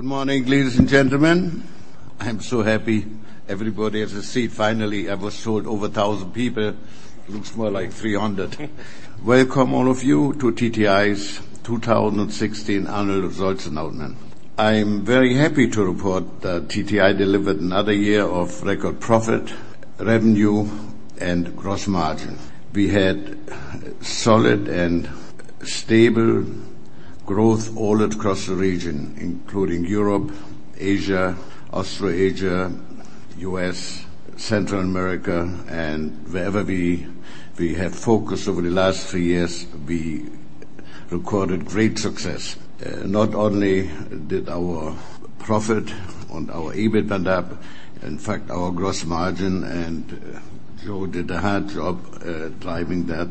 Good morning, ladies and gentlemen. I'm so happy everybody has a seat. Finally, I was told over 1,000 people. It looks more like 300. Welcome all of you to TTI's 2016 Annual Results Announcement. I'm very happy to report that TTI delivered another year of record profit, revenue, and gross margin. We had solid and stable growth all across the region, including Europe, Asia, Australasia, U.S., Central America, and wherever we have focused over the last three years, we recorded great success. Not only did our profit and our EBIT advanced, in fact, our gross margin, and Joe did a hard job driving that,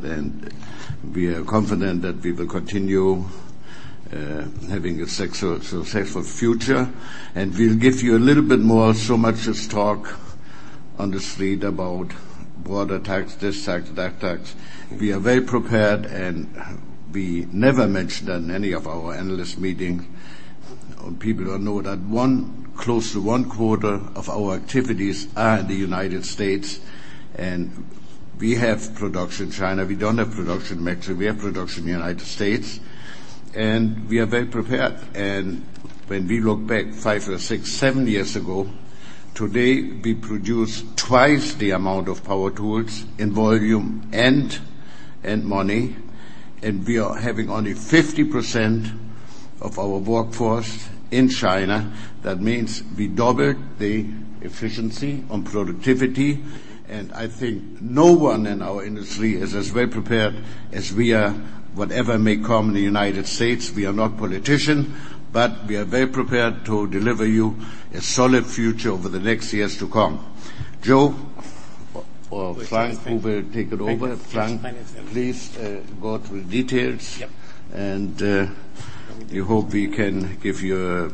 we are confident that we will continue having a successful future. We'll give you a little bit more. Much is talked on the street about border tax, this tax, that tax. We are very prepared, we never mentioned in any of our analyst meetings, people don't know that close to one-quarter of our activities are in the United States. We have production in China. We don't have production in Mexico. We have production in the United States. We are very prepared. When we look back five or six, seven years ago, today, we produce twice the amount of power tools in volume and money, we are having only 50% of our workforce in China. That means we doubled the efficiency on productivity, and I think no one in our industry is as well prepared as we are. Whatever may come in the United States, we are not politicians, but we are very prepared to deliver you a solid future over the next years to come. Joe or Frank, who will take it over. Frank. Frank, please go through the details. Yep. We hope we can give you a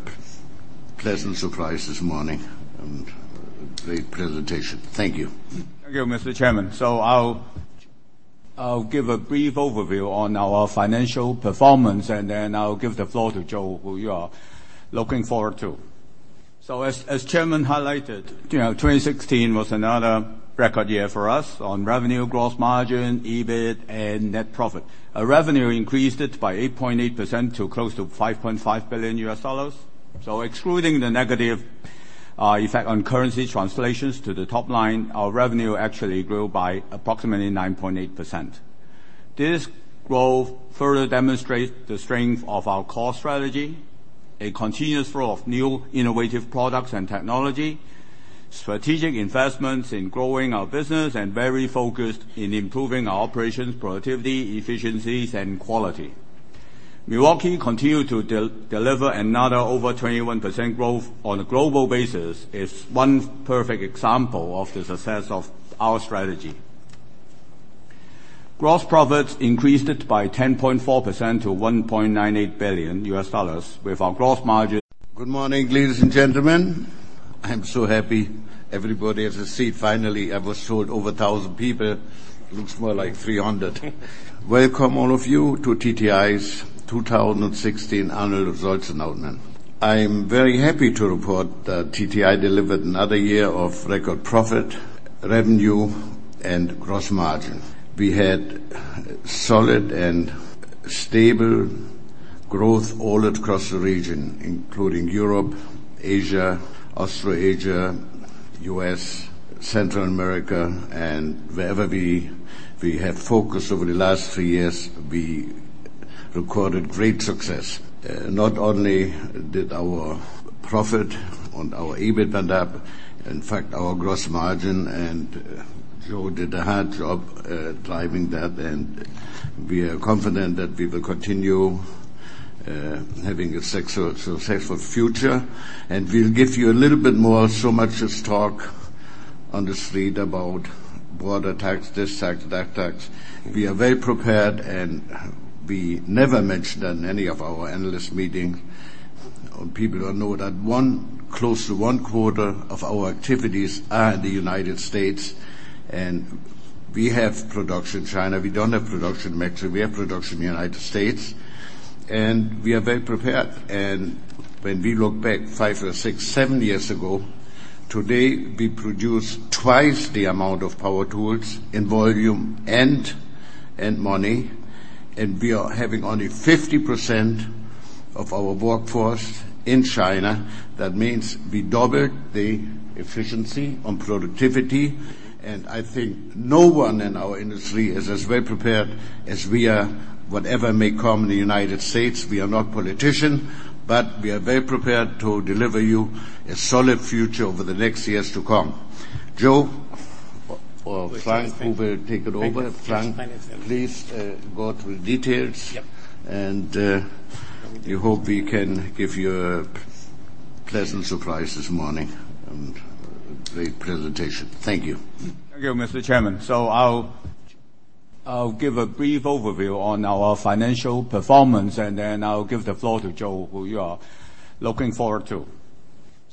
pleasant surprise this morning and a great presentation. Thank you. Thank you, Mr. Chairman. I'll give a brief overview on our financial performance, then I'll give the floor to Joe, who you are looking forward to. As Chairman highlighted, 2016 was another record year for us on revenue, gross margin, EBIT, and net profit. Our revenue increased by 8.8% to close to $5.5 billion. Excluding the negative effect on currency translations to the top line, our revenue actually grew by approximately 9.8%. This growth further demonstrates the strength of our core strategy, a continuous flow of new innovative products and technology, strategic investments in growing our business, and very focused in improving our operations, productivity, efficiencies, and quality. Milwaukee continued to deliver another over 21% growth on a global basis is one perfect example of the success of our strategy. Gross profits increased by 10.4% to $1.98 billion with our gross margin- Good morning, ladies and gentlemen. I'm so happy everybody has a seat. Finally, I was told over 1,000 people. It looks more like 300. Welcome all of you to TTI's 2016 Annual Results Announcement. I'm very happy to report that TTI delivered another year of record profit, revenue, and gross margin. We had solid and stable growth all across the region, including Europe, Asia, Australasia, U.S., Central America, and wherever we have focused over the last three years, we recorded great success. Not only did our profit and our EBIT adapt, in fact, our gross margin, and Joe did a hard job driving that, and we are confident that we will continue having a successful future. We'll give you a little bit more. Much is talked on the street about border tax, this tax, that tax. We are very prepared, and we never mentioned in any of our analyst meetings, people don't know that close to one-quarter of our activities are in the United States. We have production in China. We don't have production in Mexico. We have production in the United States. We are very prepared. When we look back five or six, seven years ago, today, we produce twice the amount of power tools in volume and money, and we are having only 50% of our workforce in China. That means we doubled the efficiency on productivity, and I think no one in our industry is as well prepared as we are. Whatever may come in the United States, we are not politicians, but we are very prepared to deliver you a solid future over the next years to come. Joe or Frank, who will take it over. Frank. Frank, please go through the details. Yep. We hope we can give you a pleasant surprise this morning and a great presentation. Thank you. Thank you, Mr. Chairman. I'll give a brief overview on our financial performance, and then I'll give the floor to Joe, who you are looking forward to.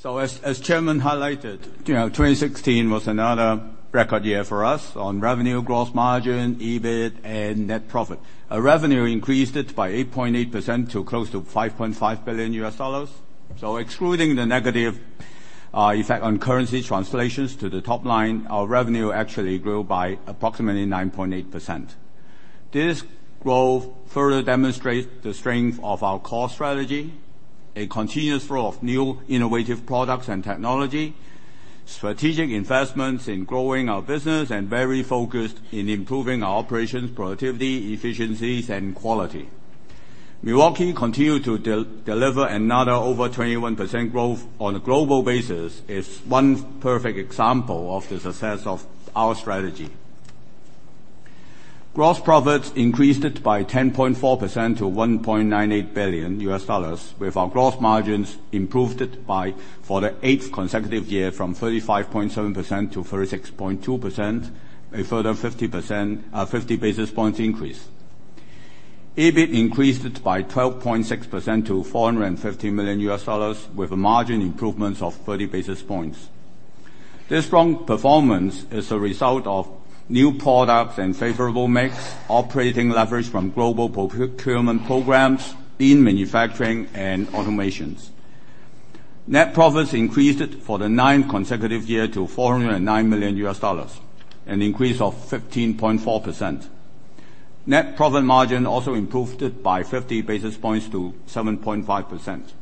As Chairman highlighted, 2016 was another record year for us on revenue, gross margin, EBIT, and net profit. Our revenue increased by 8.8% to close to $5.5 billion. Excluding the negative effect on currency translations to the top line, our revenue actually grew by approximately 9.8%. This growth further demonstrates the strength of our core strategy, a continuous flow of new innovative products and technology, strategic investments in growing our business, and very focused in improving our operations, productivity, efficiencies, and quality. Milwaukee continued to deliver another over 21% growth on a global basis, is one perfect example of the success of our strategy. Gross profits increased by 10.4% to $1.98 billion, with our gross margins improved for the eighth consecutive year from 35.7% to 36.2%, a further 50 basis point increase. EBIT increased by 12.6% to $450 million, with margin improvements of 30 basis points. This strong performance is a result of new products and favorable mix, operating leverage from global procurement programs, lean manufacturing, and automations. Net profits increased for the ninth consecutive year to $409 million, an increase of 15.4%. Net profit margin also improved by 50 basis points to 7.5%.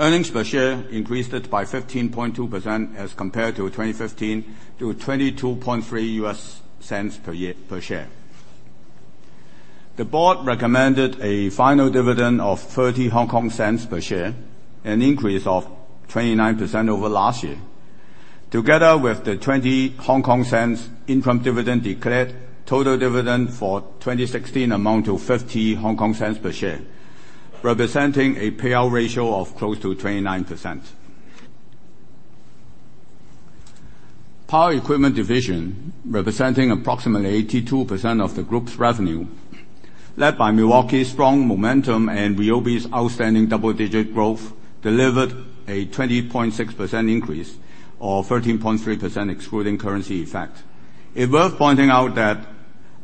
Earnings per share increased by 15.2% as compared to 2015, to $0.223 per share. The board recommended a final dividend of 0.30 per share, an increase of 29% over last year. Together with the 0.20 interim dividend declared, total dividend for 2016 amount to 0.50 per share, representing a payout ratio of close to 29%. Power Equipment Division, representing approximately 82% of the group's revenue, led by Milwaukee's strong momentum and Ryobi's outstanding double-digit growth, delivered a 20.6% increase, or 13.3% excluding currency effect. It's worth pointing out that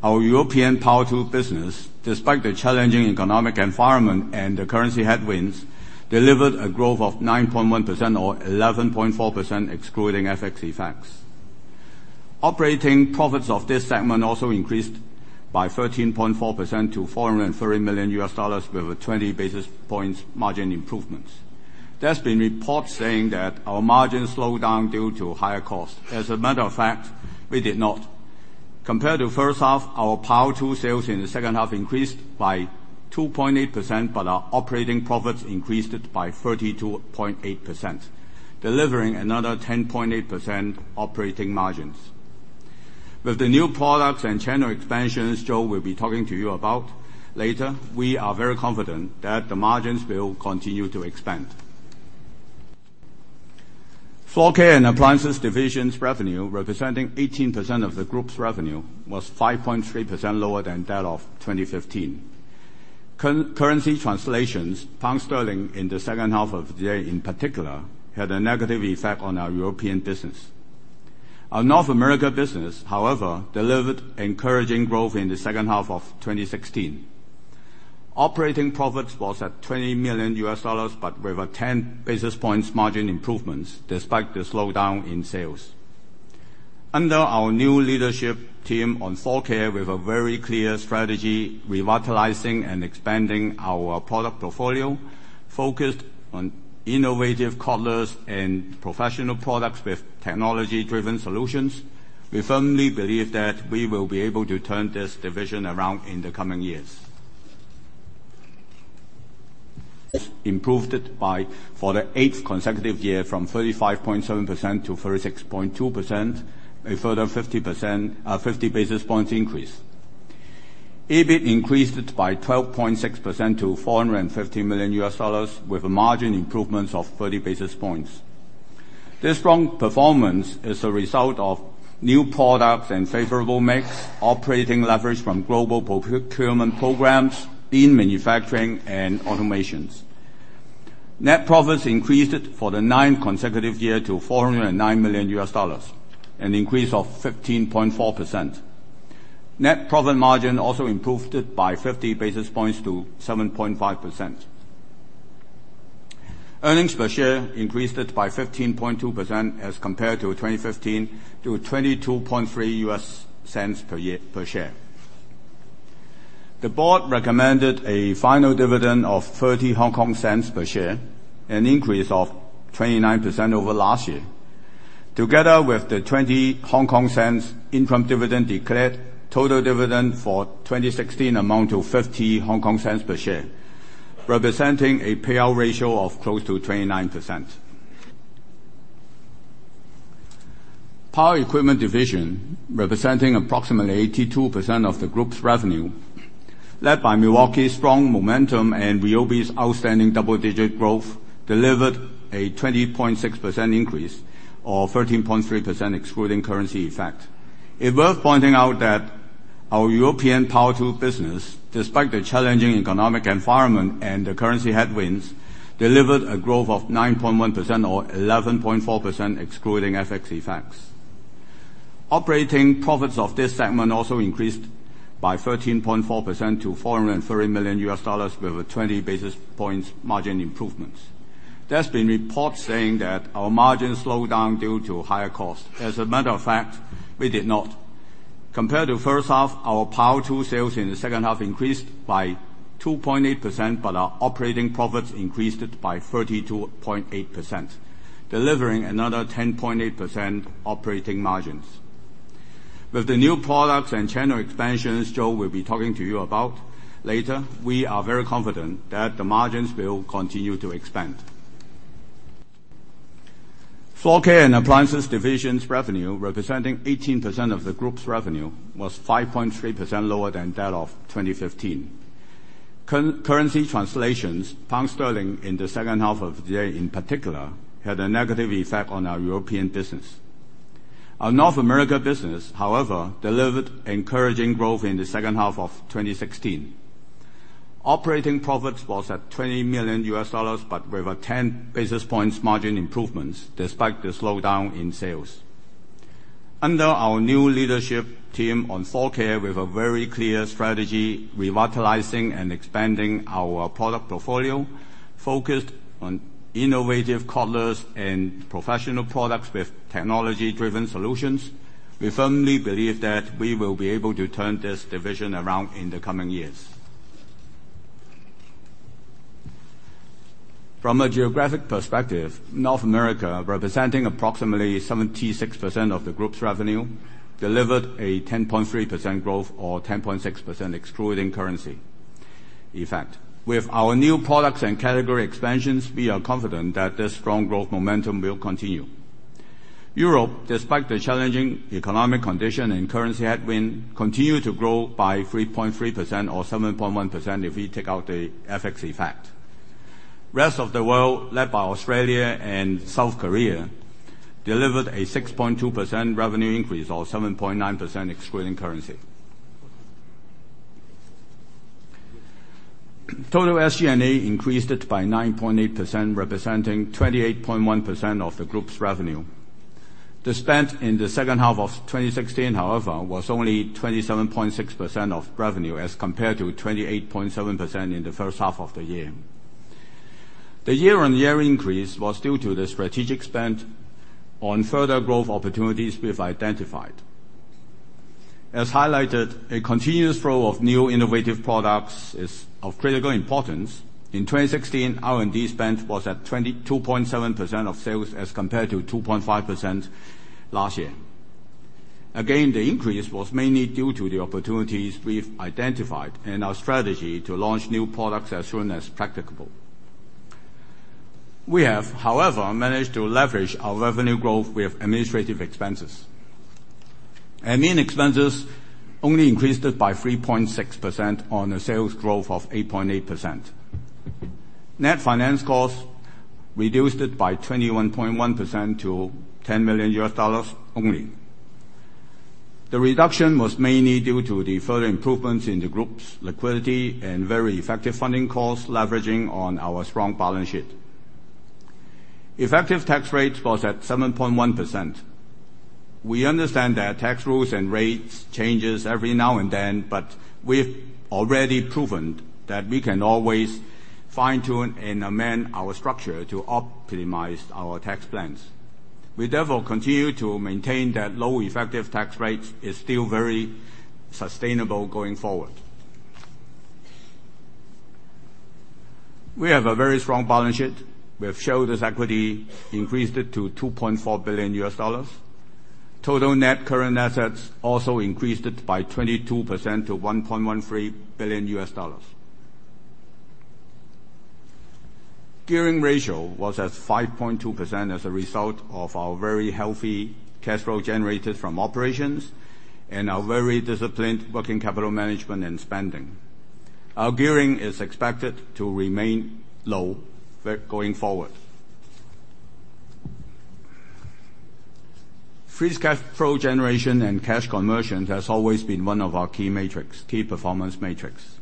our European power tool business, despite the challenging economic environment and the currency headwinds, delivered a growth of 9.1%, or 11.4% excluding FX effects. Operating profits of this segment also increased by 13.4% to $430 million, with a 20 basis points margin improvements. There's been reports saying that our margins slowed down due to higher costs. As a matter of fact, we did not. Compared to first half, our power tool sales in the second half increased by 2.8%, but our operating profits increased by 32.8%, delivering another 10.8% operating margins. With the new products and channel expansions Joe will be talking to you about later, we are very confident that the margins will continue to expand. Floor Care and Appliance Division's revenue, representing 18% of the group's revenue, was 5.3% lower than that of 2015. Currency translations, GBP in the second half of the year in particular, had a negative effect on our European business. Our North America business, however, delivered encouraging growth in the second half of 2016. Operating profits was at $20 million, but with a 10 basis points margin improvements despite the slowdown in sales. Under our new leadership team on Floor Care, with a very clear strategy, revitalizing and expanding our product portfolio, focused on innovative cordless and professional products with technology-driven solutions. We firmly believe that we will be able to turn this division around in the coming years. Improved by, for the eighth consecutive year from 35.7% to 36.2%, a further 50 basis point increase. EBIT increased by 12.6% to $450 million, with margin improvements of 30 basis points. This strong performance is a result of new products and favorable mix, operating leverage from global procurement programs, lean manufacturing, and automations. Net profits increased for the ninth consecutive year to $409 million, an increase of 15.4%. Net profit margin also improved by 50 basis points to 7.5%. Earnings per share increased by 15.2% as compared to 2015, to $0.223 per share. The board recommended a final dividend of 0.30 per share, an increase of 29% over last year. Together with the 0.20 interim dividend declared, total dividend for 2016 amount to 0.50 per share, representing a payout ratio of close to 29%. Power Equipment Division, representing approximately 82% of the group's revenue, led by Milwaukee's strong momentum and Ryobi's outstanding double-digit growth, delivered a 20.6% increase, or 13.3% excluding currency effect. It's worth pointing out that Our European Power Tools business, despite the challenging economic environment and the currency headwinds, delivered a growth of 9.1%, or 11.4% excluding FX effects. Operating profits of this segment also increased by 13.4% to $430 million with a 20 basis points margin improvements. There has been reports saying that our margins slowed down due to higher costs. As a matter of fact, we did not. Compared to first half, our Power Tools sales in the second half increased by 2.8%, but our operating profits increased by 32.8%, delivering another 10.8% operating margins. With the new products and channel expansions Joe will be talking to you about later, we are very confident that the margins will continue to expand. Floor Care and Appliance Division's revenue, representing 18% of the group's revenue, was 5.3% lower than that of 2015. Currency translations, GBP in the second half of the year in particular, had a negative effect on our European business. Our North America business, however, delivered encouraging growth in the second half of 2016. Operating profits was at $20 million, but with a 10 basis points margin improvements despite the slowdown in sales. Under our new leadership team on floor care, we have a very clear strategy, revitalizing and expanding our product portfolio, focused on innovative cordless and professional products with technology-driven solutions. We firmly believe that we will be able to turn this division around in the coming years. From a geographic perspective, North America, representing approximately 76% of the group's revenue, delivered a 10.3% growth or 10.6% excluding currency effect. With our new products and category expansions, we are confident that this strong growth momentum will continue. Europe, despite the challenging economic condition and currency headwind, continued to grow by 3.3%, or 7.1% if we take out the FX effect. Rest of the world, led by Australia and South Korea, delivered a 6.2% revenue increase, or 7.9% excluding currency. Total SG&A increased by 9.8%, representing 28.1% of the group's revenue. The spend in the second half of 2016, however, was only 27.6% of revenue as compared to 28.7% in the first half of the year. The year-over-year increase was due to the strategic spend on further growth opportunities we've identified. As highlighted, a continuous flow of new innovative products is of critical importance. In 2016, R&D spend was at 2.7% of sales as compared to 2.5% last year. The increase was mainly due to the opportunities we've identified and our strategy to launch new products as soon as practicable. We have, however, managed to leverage our revenue growth with administrative expenses. Admin expenses only increased by 3.6% on a sales growth of 8.8%. Net finance costs reduced by 21.1% to $10 million. The reduction was mainly due to the further improvements in the group's liquidity and very effective funding costs, leveraging on our strong balance sheet. Effective tax rate was at 7.1%. We understand that tax rules and rates changes every now and then, we've already proven that we can always fine-tune and amend our structure to optimize our tax plans. We, therefore, continue to maintain that low effective tax rate is still very sustainable going forward. We have a very strong balance sheet. We have showed as equity increased to $2.4 billion. Total net current assets also increased by 22% to $1.13 billion. Gearing ratio was at 5.2% as a result of our very healthy cash flow generated from operations and our very disciplined working capital management and spending. Our gearing is expected to remain low going forward. Free cash flow generation and cash conversion has always been one of our key performance metrics.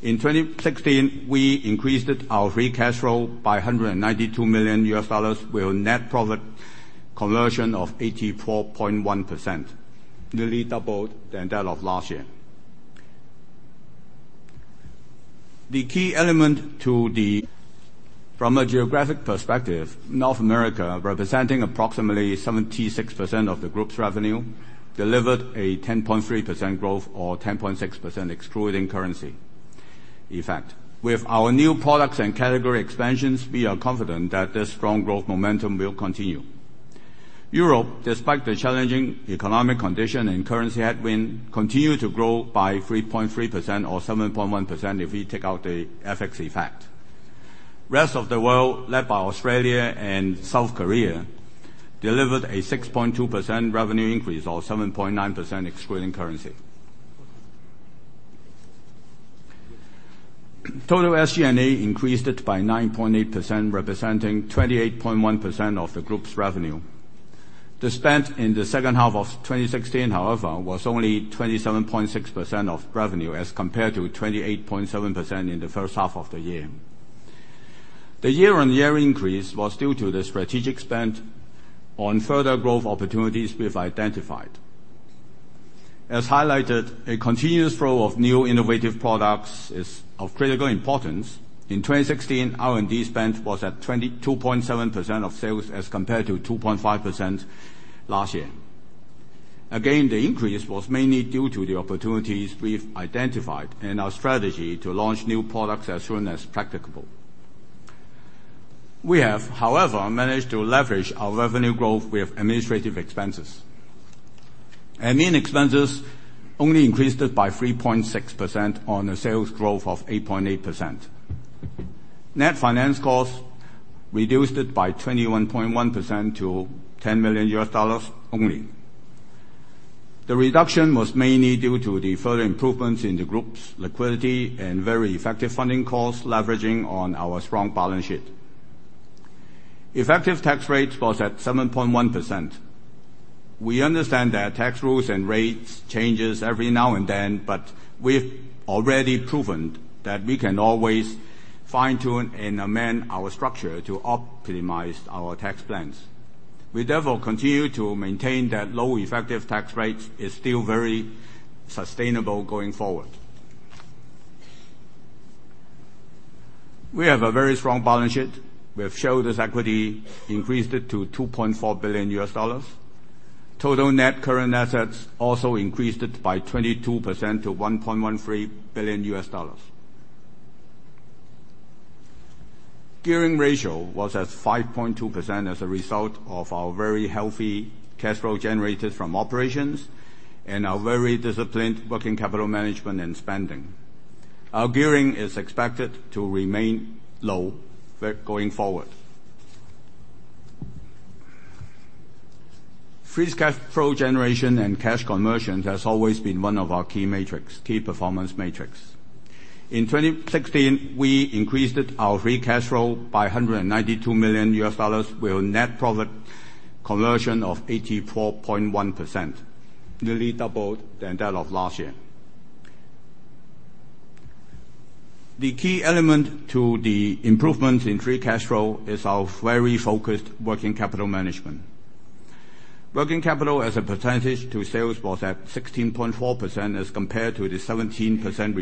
In 2016, we increased our free cash flow by $192 million with a net profit conversion of 84.1%, nearly double than that of last year. From a geographic perspective, North America, representing approximately 76% of the group's revenue, delivered a 10.3% growth or 10.6% excluding currency effect. With our new products and category expansions, we are confident that this strong growth momentum will continue. Europe, despite the challenging economic condition and currency headwind, continued to grow by 3.3%, or 7.1% if we take out the FX effect. Rest of the world, led by Australia and South Korea, delivered a 6.2% revenue increase, or 7.9% excluding currency. Total SG&A increased it by 9.8%, representing 28.1% of the group's revenue. The spend in the second half of 2016, however, was only 27.6% of revenue as compared to 28.7% in the first half of the year. The year-on-year increase was due to the strategic spend on further growth opportunities we have identified. As highlighted, a continuous flow of new innovative products is of critical importance. In 2016, R&D spend was at 22.7% of sales as compared to 2.5% last year. The increase was mainly due to the opportunities we've identified and our strategy to launch new products as soon as practicable. We have, however, managed to leverage our revenue growth with administrative expenses. Admin expenses only increased it by 3.6% on a sales growth of 8.8%. Net finance costs reduced it by 21.1% to $10 million only. The reduction was mainly due to the further improvements in the group's liquidity and very effective funding costs, leveraging on our strong balance sheet. Effective tax rates was at 7.1%. We understand that tax rules and rates changes every now and then, we've already proven that we can always fine-tune and amend our structure to optimize our tax plans. We therefore continue to maintain that low effective tax rate is still very sustainable going forward. We have a very strong balance sheet. We have shareholder's equity increased it to $2.4 billion. Total net current assets also increased it by 22% to $1.13 billion. Gearing ratio was at 5.2% as a result of our very healthy cash flow generated from operations and our very disciplined working capital management and spending. Our gearing is expected to remain low going forward. Free cash flow generation and cash conversion has always been one of our key performance metrics. In 2016, we increased our free cash flow by $192 million with a net profit conversion of 84.1%, nearly double than that of last year. The key element to the improvement in free cash flow is our very focused working capital management. Working capital as a percentage to sales was at 16.4% as compared to the 17%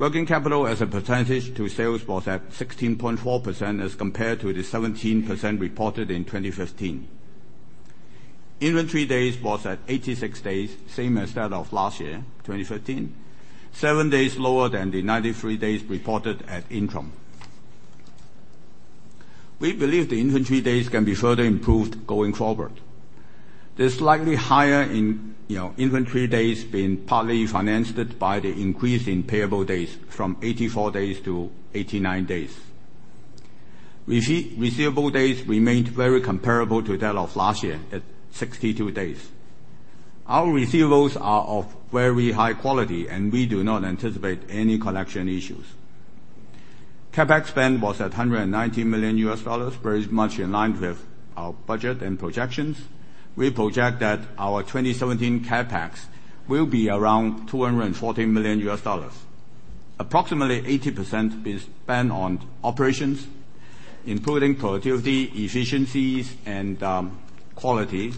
reported in 2015. Inventory days was at 86 days, same as that of last year, 2015. Seven days lower than the 93 days reported at interim. We believe the inventory days can be further improved going forward. The slightly higher inventory days been partly financed by the increase in payable days from 84 days to 89 days. Receivable days remained very comparable to that of last year at 62 days. Our receivables are of very high quality, and we do not anticipate any collection issues. CapEx spend was at $190 million, very much in line with our budget and projections. We project that our 2017 CapEx will be around $240 million. Approximately 80% is spent on operations, improving productivity, efficiencies, and quality,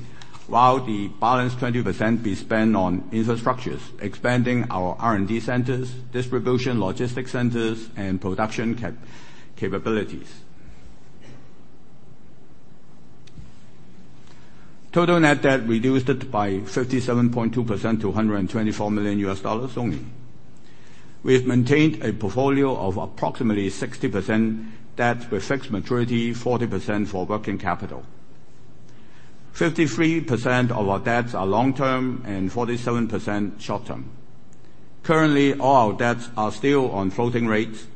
while the balance 20% be spent on infrastructures, expanding our R&D centers, distribution, logistics centers, and production capabilities. Total net debt reduced it by 37.2% to $124 million only. We have maintained a portfolio of approximately 60% debt with fixed maturity, 40% for working capital. 53% of our debts are long-term and 47% short-term. Currently, all our debts are still on floating rates,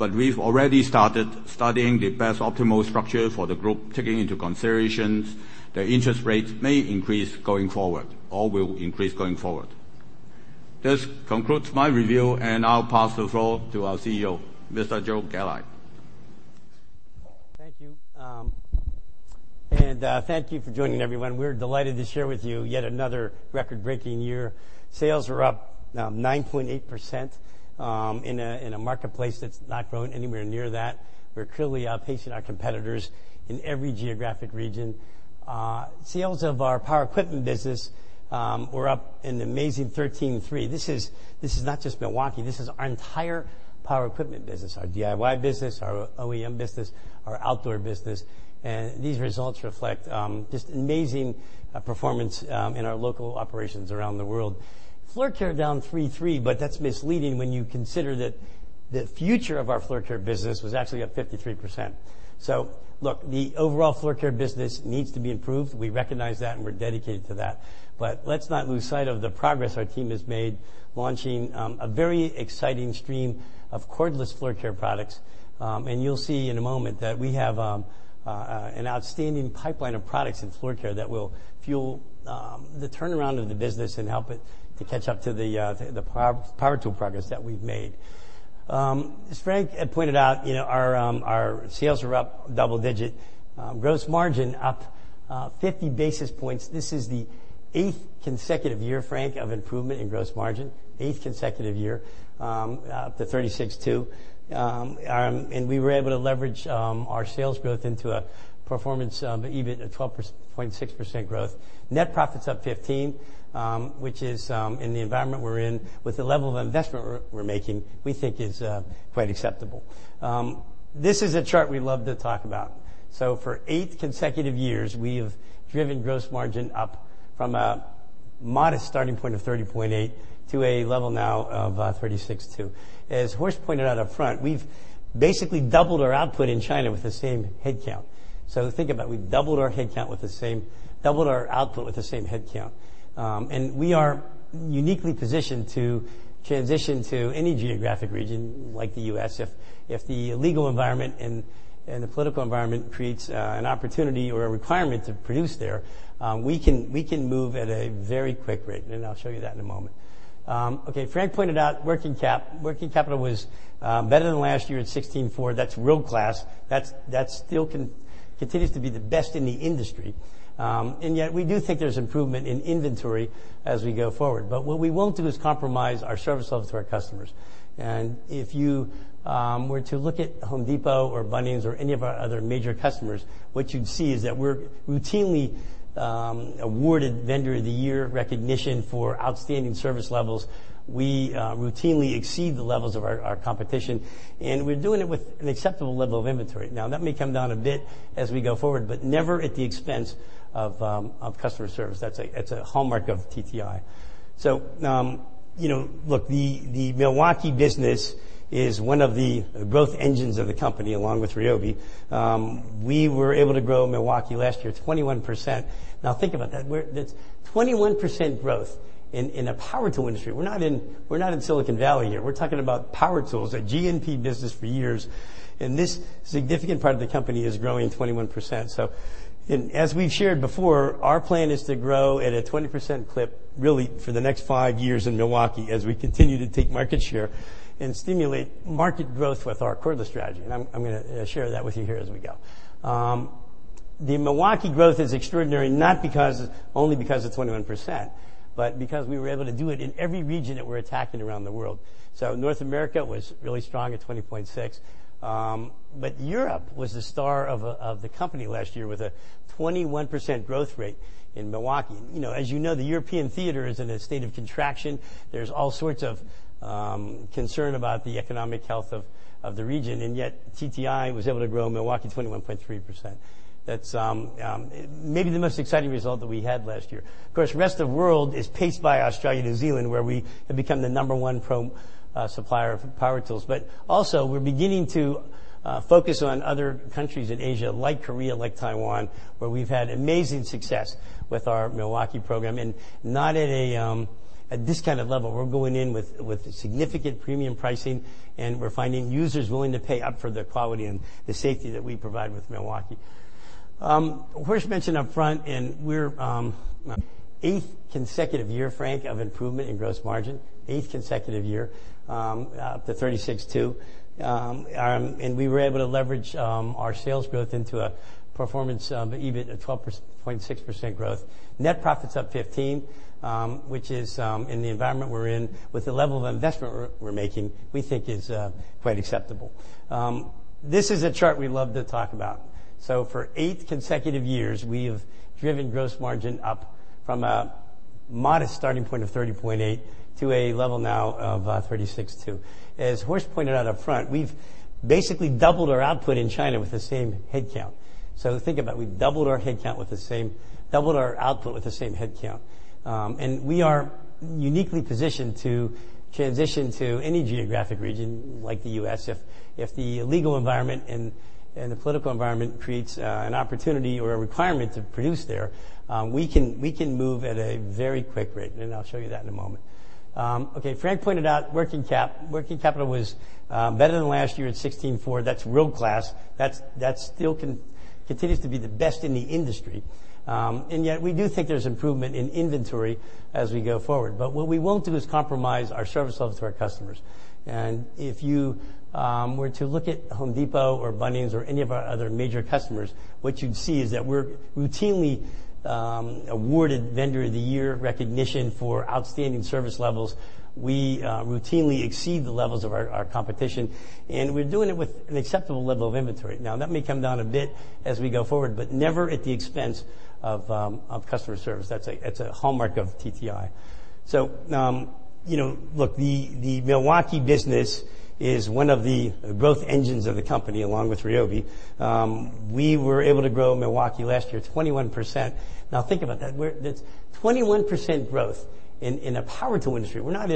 we've already started studying the best optimal structure for the group, taking into considerations that interest rates may increase going forward or will increase going forward. This concludes my review, and I'll pass the floor to our CEO, Mr. Joe Galli. Thank you. Thank you for joining, everyone. We're delighted to share with you yet another record-breaking year. Sales are up 9.8% in a marketplace that's not growing anywhere near that. We're clearly outpacing our competitors in every geographic region. Sales of our Power Equipment business were up an amazing 13.3%. This is not just Milwaukee. This is our entire Power Equipment business, our DIY business, our OEM business, our outdoor business. These results reflect just amazing performance in our local operations around the world. Floor Care down 3.3%, that's misleading when you consider that the future of our Floor Care business was actually up 53%. Look, the overall Floor Care business needs to be improved. We recognize that, and we're dedicated to that. Let's not lose sight of the progress our team has made launching a very exciting stream of cordless Floor Care products. You'll see in a moment that we have an outstanding pipeline of products in Floor Care that will fuel the turnaround of the business and help it to catch up to the power tool progress that we've made. which is, in the environment we're in, with the level of investment we're making, we think is quite acceptable. This is a chart we love to talk about. For eight consecutive years, we have driven gross margin up from a modest starting point of 30.8% to a level now of 36.2%. As Horst pointed out up front, we've basically doubled our output in China with the same headcount. Think about it, we've doubled our output with the same headcount. We are uniquely positioned to transition to any geographic region like the U.S. if the legal environment and the political environment creates an opportunity or a requirement to produce there, we can move at a very quick rate. I'll show you that in a moment. Okay, Frank pointed out working capital was better than last year at 16.4%. That's world-class. That still continues to be the best in the industry. Yet we do think there's improvement in inventory as we go forward. What we won't do is compromise our service levels to our customers. If you were to look at The Home Depot or Bunnings or any of our other major customers, what you'd see is that we're routinely awarded vendor of the year recognition for outstanding service levels. We routinely exceed the levels of our competition, and we're doing it with an acceptable level of inventory. Now, that may come down a bit as we go forward, never at the expense of customer service. That's a hallmark of TTI. Look, the Milwaukee business is one of the growth engines of the company, along with Ryobi. We were able to grow Milwaukee last year 21%. Now think about that. That's 21% growth in a power tool industry. We're not in Silicon Valley here. We're talking about power tools, a GNP business for years. This significant part of the company is growing 21%. As we've shared before, our plan is to grow at a 20% clip, really for the next five years in Milwaukee as we continue to take market share and stimulate market growth with our cordless strategy. I'm going to share that with you here as we go. The Milwaukee growth is extraordinary, not only because it's 21%, but because we were able to do it in every region that we're attacking around the world. North America was really strong at 20.6%, but Europe was the star of the company last year with a 21% growth rate in Milwaukee. As you know, the European theater is in a state of contraction. There's all sorts of concern about the economic health of the region, and yet TTI was able to grow Milwaukee 21.3%. That's maybe the most exciting result that we had last year. Of course, the rest of world is paced by Australia, New Zealand, where we have become the number one supplier of power tools. Also we're beginning to focus on other countries in Asia, like Korea, like Taiwan, where we've had amazing success with our Milwaukee program and not at this kind of level. We're going in with significant premium pricing. We're finding users willing to pay up for the quality and the safety that we provide with Milwaukee. Horst mentioned up front, we're eighth consecutive year, Frank, of improvement in gross margin, eighth consecutive year, up to 36.2%. We were able to leverage our sales growth into a performance EBIT of 12.6% growth. Net profit's up 15%, which is, in the environment we're in, with the level of investment we're making, we think is quite acceptable. This is a chart we love to talk about. For eight consecutive years, we have driven gross margin up from a modest starting point of 30.8% to a level now of 36.2%. As Horst pointed out up front, we've basically doubled our output in China with the same headcount. Think about it. We've doubled our output with the same headcount. We are uniquely positioned to transition to any geographic region like the U.S. if the legal environment and the political environment creates an opportunity or a requirement to produce there, we can move at a very quick rate. I'll show you that in a moment. Frank pointed out working capital was better than last year at 16.4%. That's world-class. That still continues to be the best in the industry. Yet we do think there's improvement in inventory as we go forward. What we won't do is compromise our service levels to our customers. If you were to look at Home Depot or Bunnings or any of our other major customers, what you'd see is that we're routinely awarded vendor of the year recognition for outstanding service levels. We routinely exceed the levels of our competition. We're doing it with an acceptable level of inventory. That may come down a bit as we go forward, never at the expense of customer service. That's a hallmark of TTI. Look, the Milwaukee business is one of the growth engines of the company, along with Ryobi. We were able to grow Milwaukee last year 21%. Think about that. That's 21% growth in a power tool industry. We're not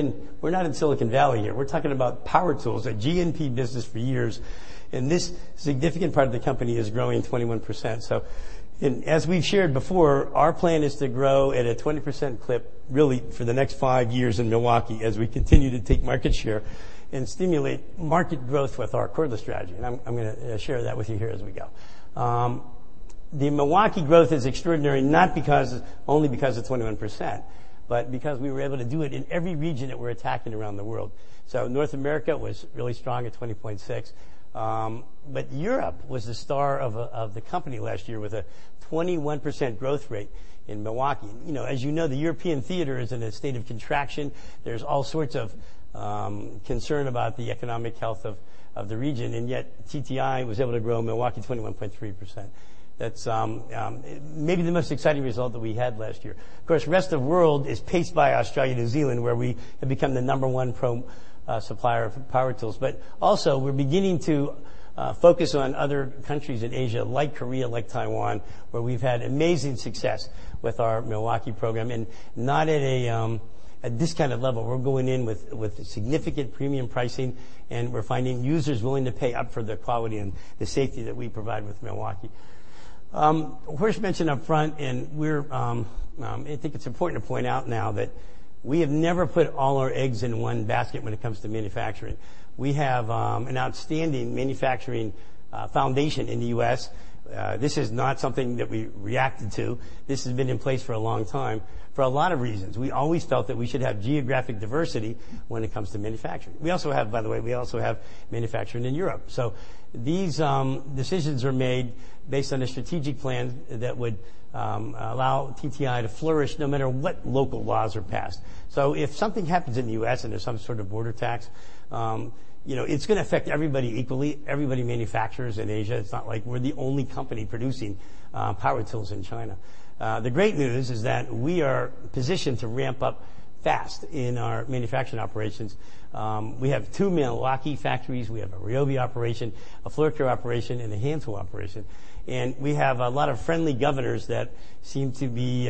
in Silicon Valley here. We're talking about power tools, a GNP business for years, and this significant part of the company is growing 21%. As we've shared before, our plan is to grow at a 20% clip, really for the next 5 years in Milwaukee, as we continue to take market share and stimulate market growth with our cordless strategy. I'm going to share that with you here as we go. The Milwaukee growth is extraordinary, not only because it's 21%, but because we were able to do it in every region that we're attacking around the world. North America was really strong at 20.6%, but Europe was the star of the company last year with a 21% growth rate in Milwaukee. As you know, the European theater is in a state of contraction. There's all sorts of concern about the economic health of the region, and yet TTI was able to grow Milwaukee 21.3%. That's maybe the most exciting result that we had last year. Of course, rest of world is paced by Australia, New Zealand, where we have become the number 1 supplier of power tools. Also we're beginning to focus on other countries in Asia, like Korea, like Taiwan, where we've had amazing success with our Milwaukee program. At this kind of level, we're going in with significant premium pricing, and we're finding users willing to pay up for the quality and the safety that we provide with Milwaukee. Horst mentioned upfront, and I think it's important to point out now that we have never put all our eggs in 1 basket when it comes to manufacturing. We have an outstanding manufacturing foundation in the U.S. This is not something that we reacted to. This has been in place for a long time for a lot of reasons. We always felt that we should have geographic diversity when it comes to manufacturing. By the way, we also have manufacturing in Europe. These decisions are made based on a strategic plan that would allow TTI to flourish no matter what local laws are passed. If something happens in the U.S. and there's some sort of border tax, it's going to affect everybody equally. Everybody manufactures in Asia. It's not like we're the only company producing power tools in China. The great news is that we are positioned to ramp up fast in our manufacturing operations. We have 2 Milwaukee factories, we have a Ryobi operation, a Floor Care operation, and a Hansel operation. We have a lot of friendly governors that seem to be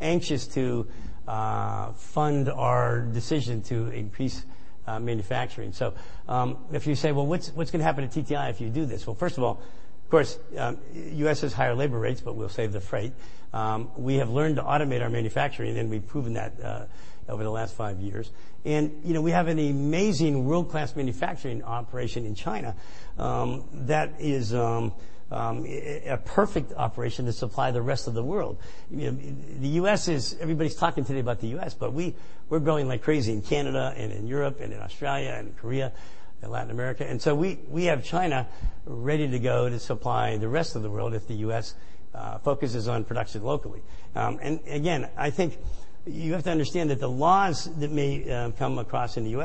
anxious to fund our decision to increase manufacturing. If you say, "Well, what's going to happen to TTI if you do this?" Well, first of all, of course, U.S. has higher labor rates, but we'll save the freight. We have learned to automate our manufacturing, and we've proven that over the last 5 years. We have an amazing world-class manufacturing operation in China that is a perfect operation to supply the rest of the world. Everybody's talking today about the U.S., but we're growing like crazy in Canada and in Europe and in Australia and Korea and Latin America. We have China ready to go to supply the rest of the world if the U.S. focuses on production locally. Again, I think you have to understand that the laws that may come across in the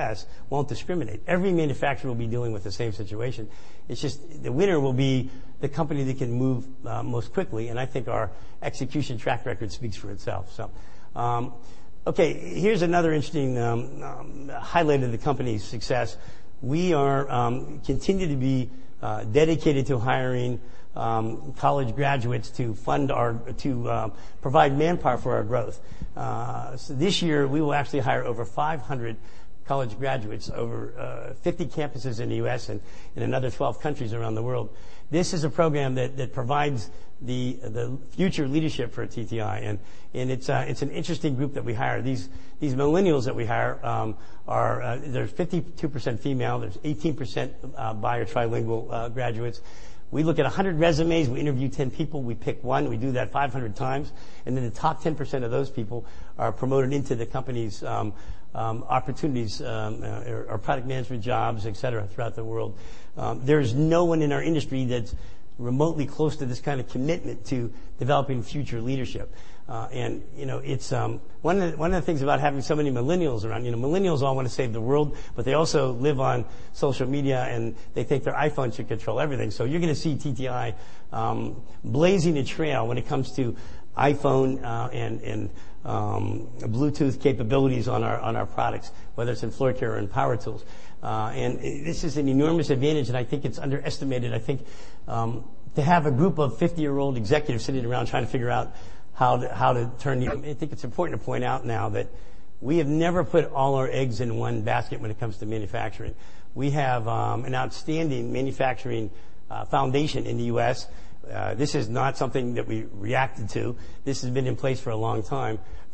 U.S.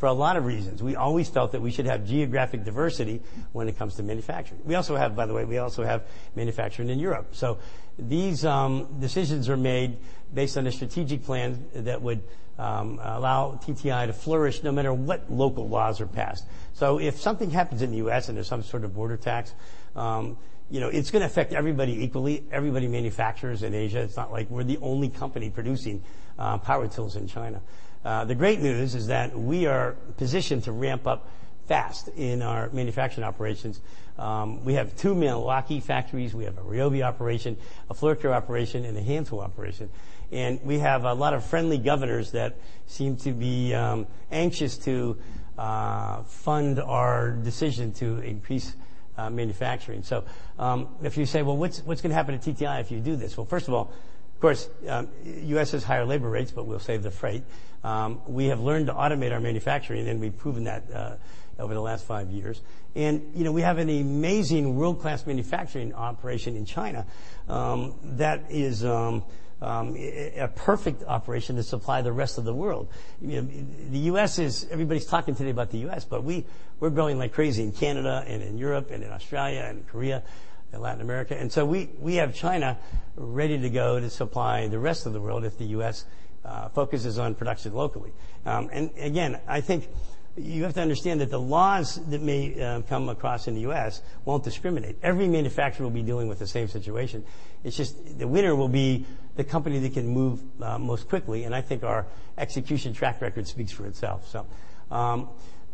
won't discriminate. Every manufacturer will be dealing with the same situation. It's just the winner will be the company that can move most quickly, and I think our execution track record speaks for itself.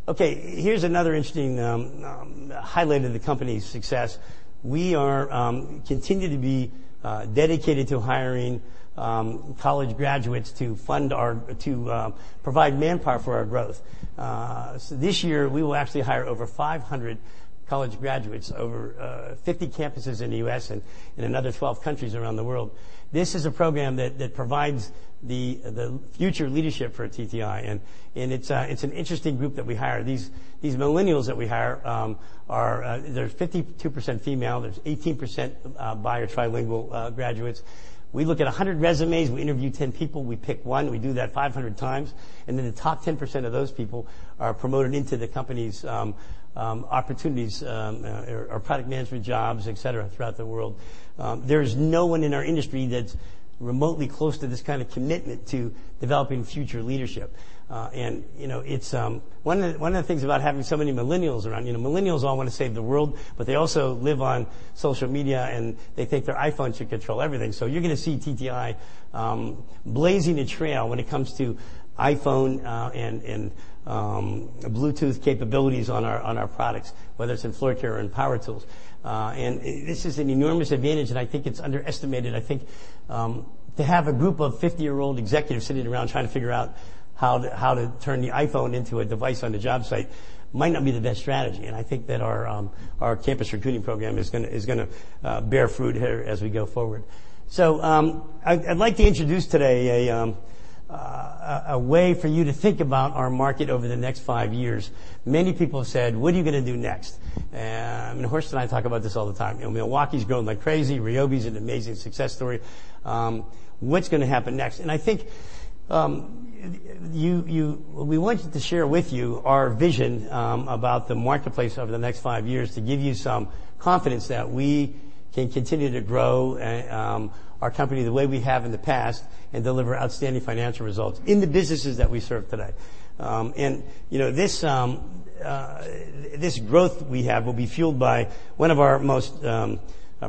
Okay, here's another interesting highlight of the company's success. We continue to be dedicated to hiring college graduates to provide manpower for our growth. This year, we will actually hire over 500 college graduates over 50 campuses in the U.S. and in another 12 countries around the world. This is a program that provides the future leadership for TTI, and it's an interesting group that we hire. These millennials that we hire, there's 52% female, there's 18% bi or trilingual graduates. We look at 100 resumes, we interview 10 people, we pick one, we do that 500 times, and then the top 10% of those people are promoted into the company's opportunities or product management jobs, et cetera, throughout the world. There's no one in our industry that's remotely close to this kind of commitment to developing future leadership. how to turn the iPhone into a device on a job site might not be the best strategy, I think that our campus recruiting program is going to bear fruit here as we go forward. I'd like to introduce today a way for you to think about our market over the next five years. Many people have said, "What are you going to do next?" Horst and I talk about this all the time. Milwaukee's growing like crazy. RYOBI's an amazing success story. What's going to happen next? I think we wanted to share with you our vision about the marketplace over the next five years to give you some confidence that we can continue to grow our company the way we have in the past and deliver outstanding financial results in the businesses that we serve today. This growth we have will be fueled by one of our most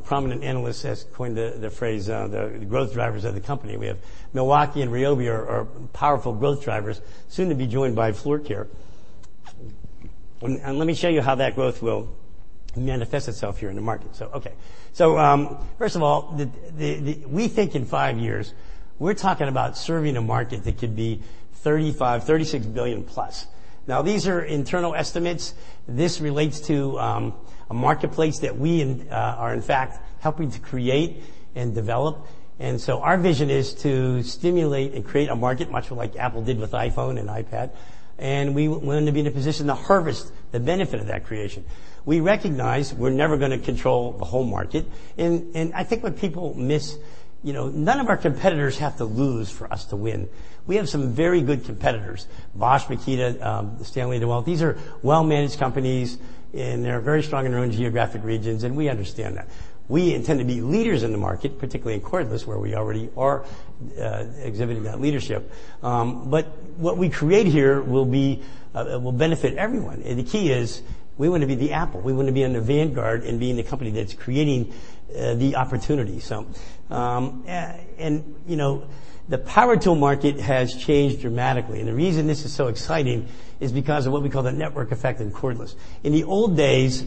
prominent analysts has coined the phrase, the growth drivers of the company. We have Milwaukee and RYOBI are powerful growth drivers, soon to be joined by Floor Care. Let me show you how that growth will manifest itself here in the market. We think in five years, we're talking about serving a market that could be $35 billion-$36 billion plus. These are internal estimates. This relates to a marketplace that we are, in fact, helping to create and develop. Our vision is to stimulate and create a market, much like Apple did with iPhone and iPad. We want to be in a position to harvest the benefit of that creation. We recognize we're never going to control the whole market. I think what people miss, none of our competitors have to lose for us to win. We have some very good competitors, Bosch, Makita, Stanley, DeWalt. These are well-managed companies, and they're very strong in their own geographic regions, and we understand that. We intend to be leaders in the market, particularly in cordless, where we already are exhibiting that leadership. What we create here will benefit everyone. The key is, we want to be the Apple. We want to be on the vanguard and be in the company that's creating the opportunity. The power tool market has changed dramatically, and the reason this is so exciting is because of what we call the network effect in cordless. In the old days,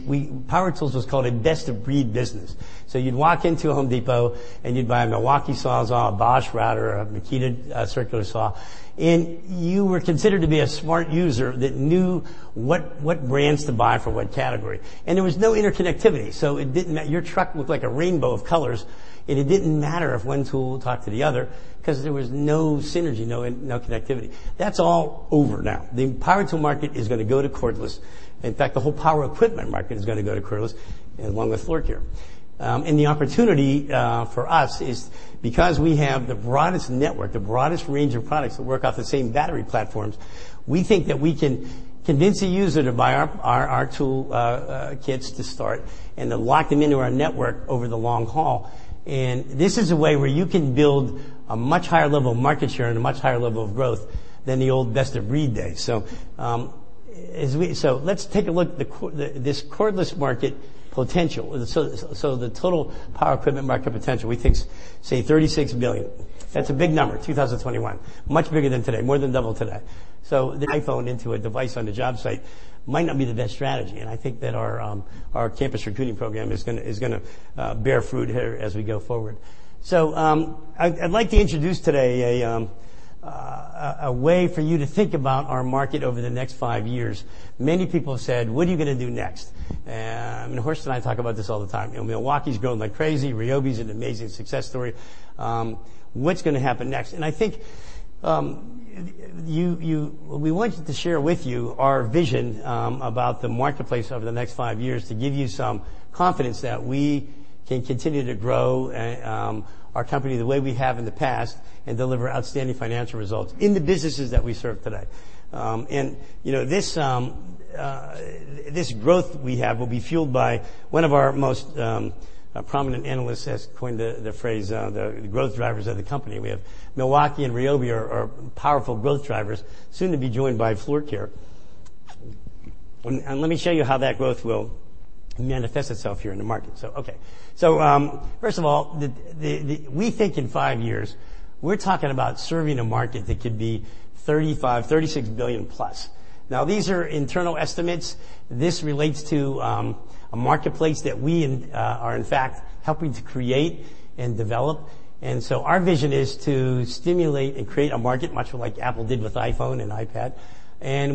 power tools was called a best-of-breed business. You'd walk into a Home Depot and you'd buy a Milwaukee Sawzall, a Bosch router, a Makita circular saw, and you were considered to be a smart user that knew what brands to buy for what category. There was no interconnectivity, so your truck looked like a rainbow of colors, and it didn't matter if one tool talked to the other because there was no synergy, no connectivity. That's all over now. The power tool market is going to go to cordless. In fact, the whole Power Equipment market is going to go to cordless, along with Floor Care. The opportunity for us is, because we have the broadest network, the broadest range of products that work off the same battery platforms, we think that we can convince a user to buy our tool kits to start and to lock them into our network over the long haul. This is a way where you can build a much higher level of market share and a much higher level of growth than the old best-of-breed days. Let's take a look, this cordless market potential. The total Power Equipment market potential, we think, say $36 billion. That's a big number, 2021. Much bigger than today, more than double today. The iPhone into a device on a job site might not be the best strategy, and I think that our campus recruiting program is going to bear fruit here as we go forward. I'd like to introduce today a way for you to think about our market over the next five years. Many people have said, "What are you going to do next?" Horst and I talk about this all the time. Milwaukee's growing like crazy. RYOBI's an amazing success story. What's going to happen next? I think we wanted to share with you our vision about the marketplace over the next five years to give you some confidence that we can continue to grow our company the way we have in the past and deliver outstanding financial results in the businesses that we serve today. This growth we have will be fueled by one of our most prominent analysts has coined the phrase, the growth drivers of the company. We have Milwaukee and RYOBI are powerful growth drivers, soon to be joined by Floor Care. Let me show you how that growth will manifest itself here in the market. Okay. First of all, we think in five years, we're talking about serving a market that could be $35 billion-$36 billion plus. These are internal estimates. This relates to a marketplace that we are in fact helping to create and develop. Our vision is to stimulate and create a market, much like Apple did with iPhone and iPad.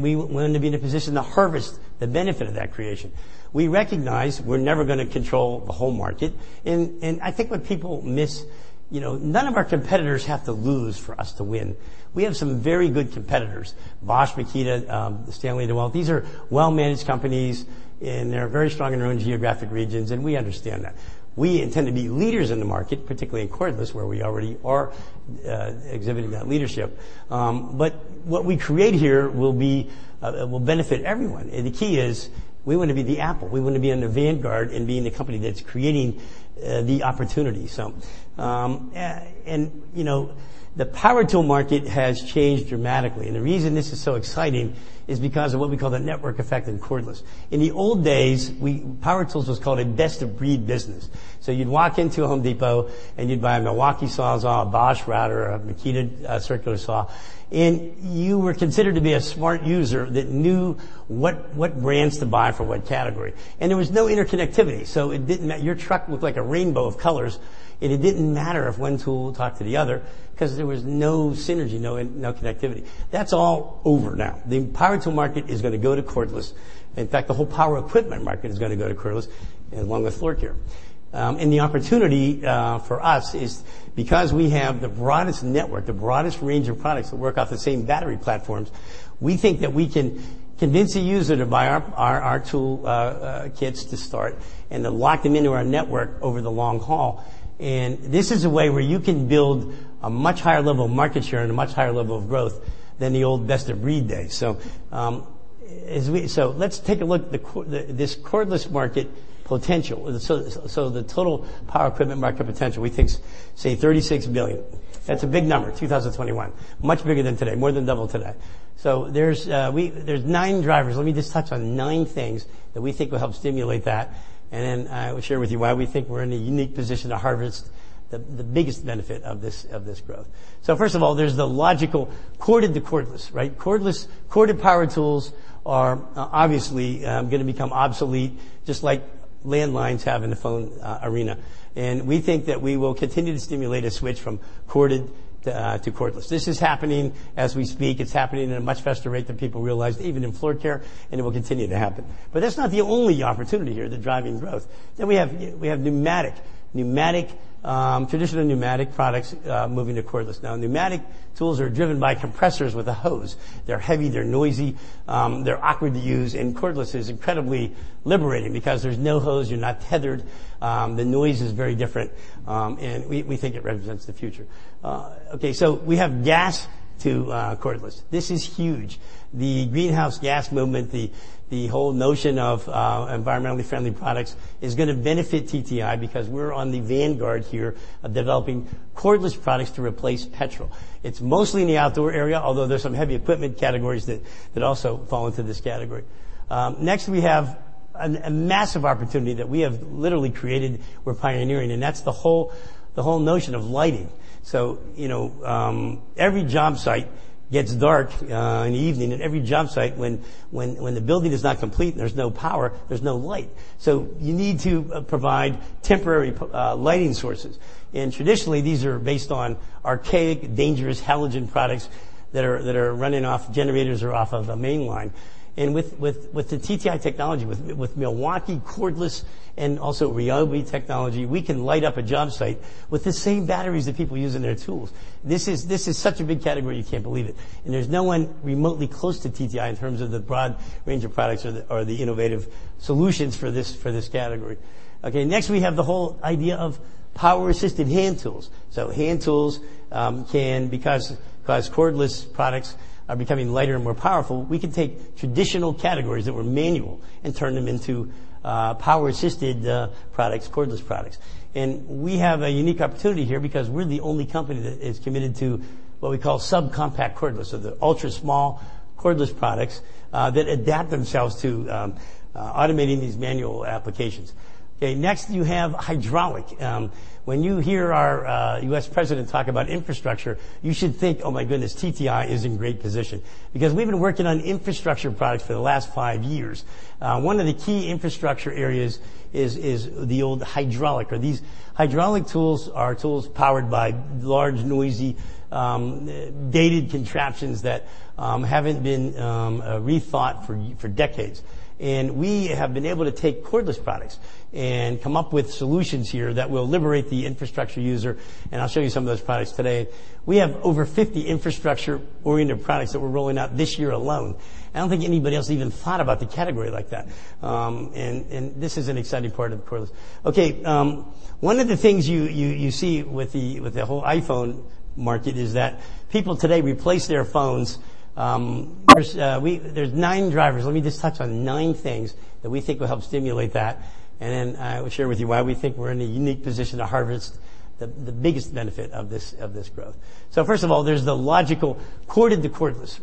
We want to be in a position to harvest the benefit of that creation. We recognize we're never gonna control the whole market. I think what people miss, none of our competitors have to lose for us to win. We have some very good competitors, Bosch, Makita, Stanley, DeWalt. These are well-managed companies, they're very strong in their own geographic regions, we understand that. We intend to be leaders in the market, particularly in cordless, where we already are exhibiting that leadership. What we create here will benefit everyone. The key is, we want to be the Apple. We want to be in the vanguard in being the company that's creating the opportunity. The power tool market has changed dramatically, the reason this is so exciting is because of what we call the network effect in cordless. In the old days, power tools was called a best-of-breed business. You'd walk into a Home Depot, and you'd buy a Milwaukee Sawzall, a Bosch router, a Makita circular saw, and you were considered to be a smart user that knew what brands to buy for what category. There was no interconnectivity, your truck looked like a rainbow of colors, it didn't matter if one tool talked to the other because there was no synergy, no connectivity. That's all over now. The power tool market is gonna go to cordless. In fact, the whole Power Equipment market is gonna go to cordless, along with Floor Care. The opportunity for us is because we have the broadest network, the broadest range of products that work off the same battery platforms, we think that we can convince a user to buy our tool kits to start and to lock them into our network over the long haul. This is a way where you can build a much higher level of market share and a much higher level of growth than the old best-of-breed days. Let's take a look this cordless market potential. The total Power Equipment market potential, we think, say, $36 billion. That's a big number, 2021. Much bigger than today, more than double today. There's nine drivers. Let me just touch on nine things that we think will help stimulate that, and then I will share with you why we think we're in a unique position to harvest the biggest benefit of this growth. First of all, there's the logical corded to cordless. Corded power tools are obviously gonna become obsolete, just like landlines have in the phone arena. We think that we will continue to stimulate a switch from corded to cordless. This is happening as we speak. It's happening at a much faster rate than people realized, even in floor care, and it will continue to happen. That's not the only opportunity here that's driving growth. We have pneumatic. Traditional pneumatic products moving to cordless. Now, pneumatic tools are driven by compressors with a hose. They're heavy, they're noisy, they're awkward to use, and cordless is incredibly liberating because there's no hose. You're not tethered. The noise is very different. We think it represents the future. We have gas to cordless. This is huge. The greenhouse gas movement, the whole notion of environmentally friendly products is going to benefit TTI because we're on the vanguard here of developing cordless products to replace gasoline. It's mostly in the outdoor area, although there's some heavy equipment categories that also fall into this category. Next, we have a massive opportunity that we have literally created, we're pioneering, and that's the whole notion of lighting. Every job site gets dark in the evening. At every job site, when the building is not complete and there's no power, there's no light. You need to provide temporary lighting sources. Traditionally, these are based on archaic, dangerous halogen products that are running off generators or off of a mainline. With the TTI technology, with Milwaukee cordless and also Ryobi technology, we can light up a job site with the same batteries that people use in their tools. This is such a big category, you can't believe it. There's no one remotely close to TTI in terms of the broad range of products or the innovative solutions for this category. Okay, next, we have the whole idea of power-assisted hand tools. Hand tools can, because cordless products are becoming lighter and more powerful, we can take traditional categories that were manual and turn them into power-assisted products, cordless products. We have a unique opportunity here because we're the only company that is committed to what we call subcompact cordless. They're ultra-small cordless products that adapt themselves to automating these manual applications. Okay, next you have hydraulic. When you hear our U.S. president talk about infrastructure, you should think, "Oh my goodness. TTI is in great position." We've been working on infrastructure products for the last five years. One of the key infrastructure areas is the old hydraulic. Hydraulic tools are tools powered by large, noisy, dated contraptions that haven't been rethought for decades. We have been able to take cordless products and come up with solutions here that will liberate the infrastructure user, and I'll show you some of those products today. We have over 50 infrastructure-oriented products that we're rolling out this year alone. I don't think anybody else even thought about the category like that. This is an exciting part of cordless. Okay, one of the things you see with the whole iPhone market is that people today replace their phones. There's nine drivers. Let me just touch on nine things that we think will help stimulate that, and then I will share with you why we think we're in a unique position to harvest the biggest benefit of this growth. First of all, there's the logical corded to cordless.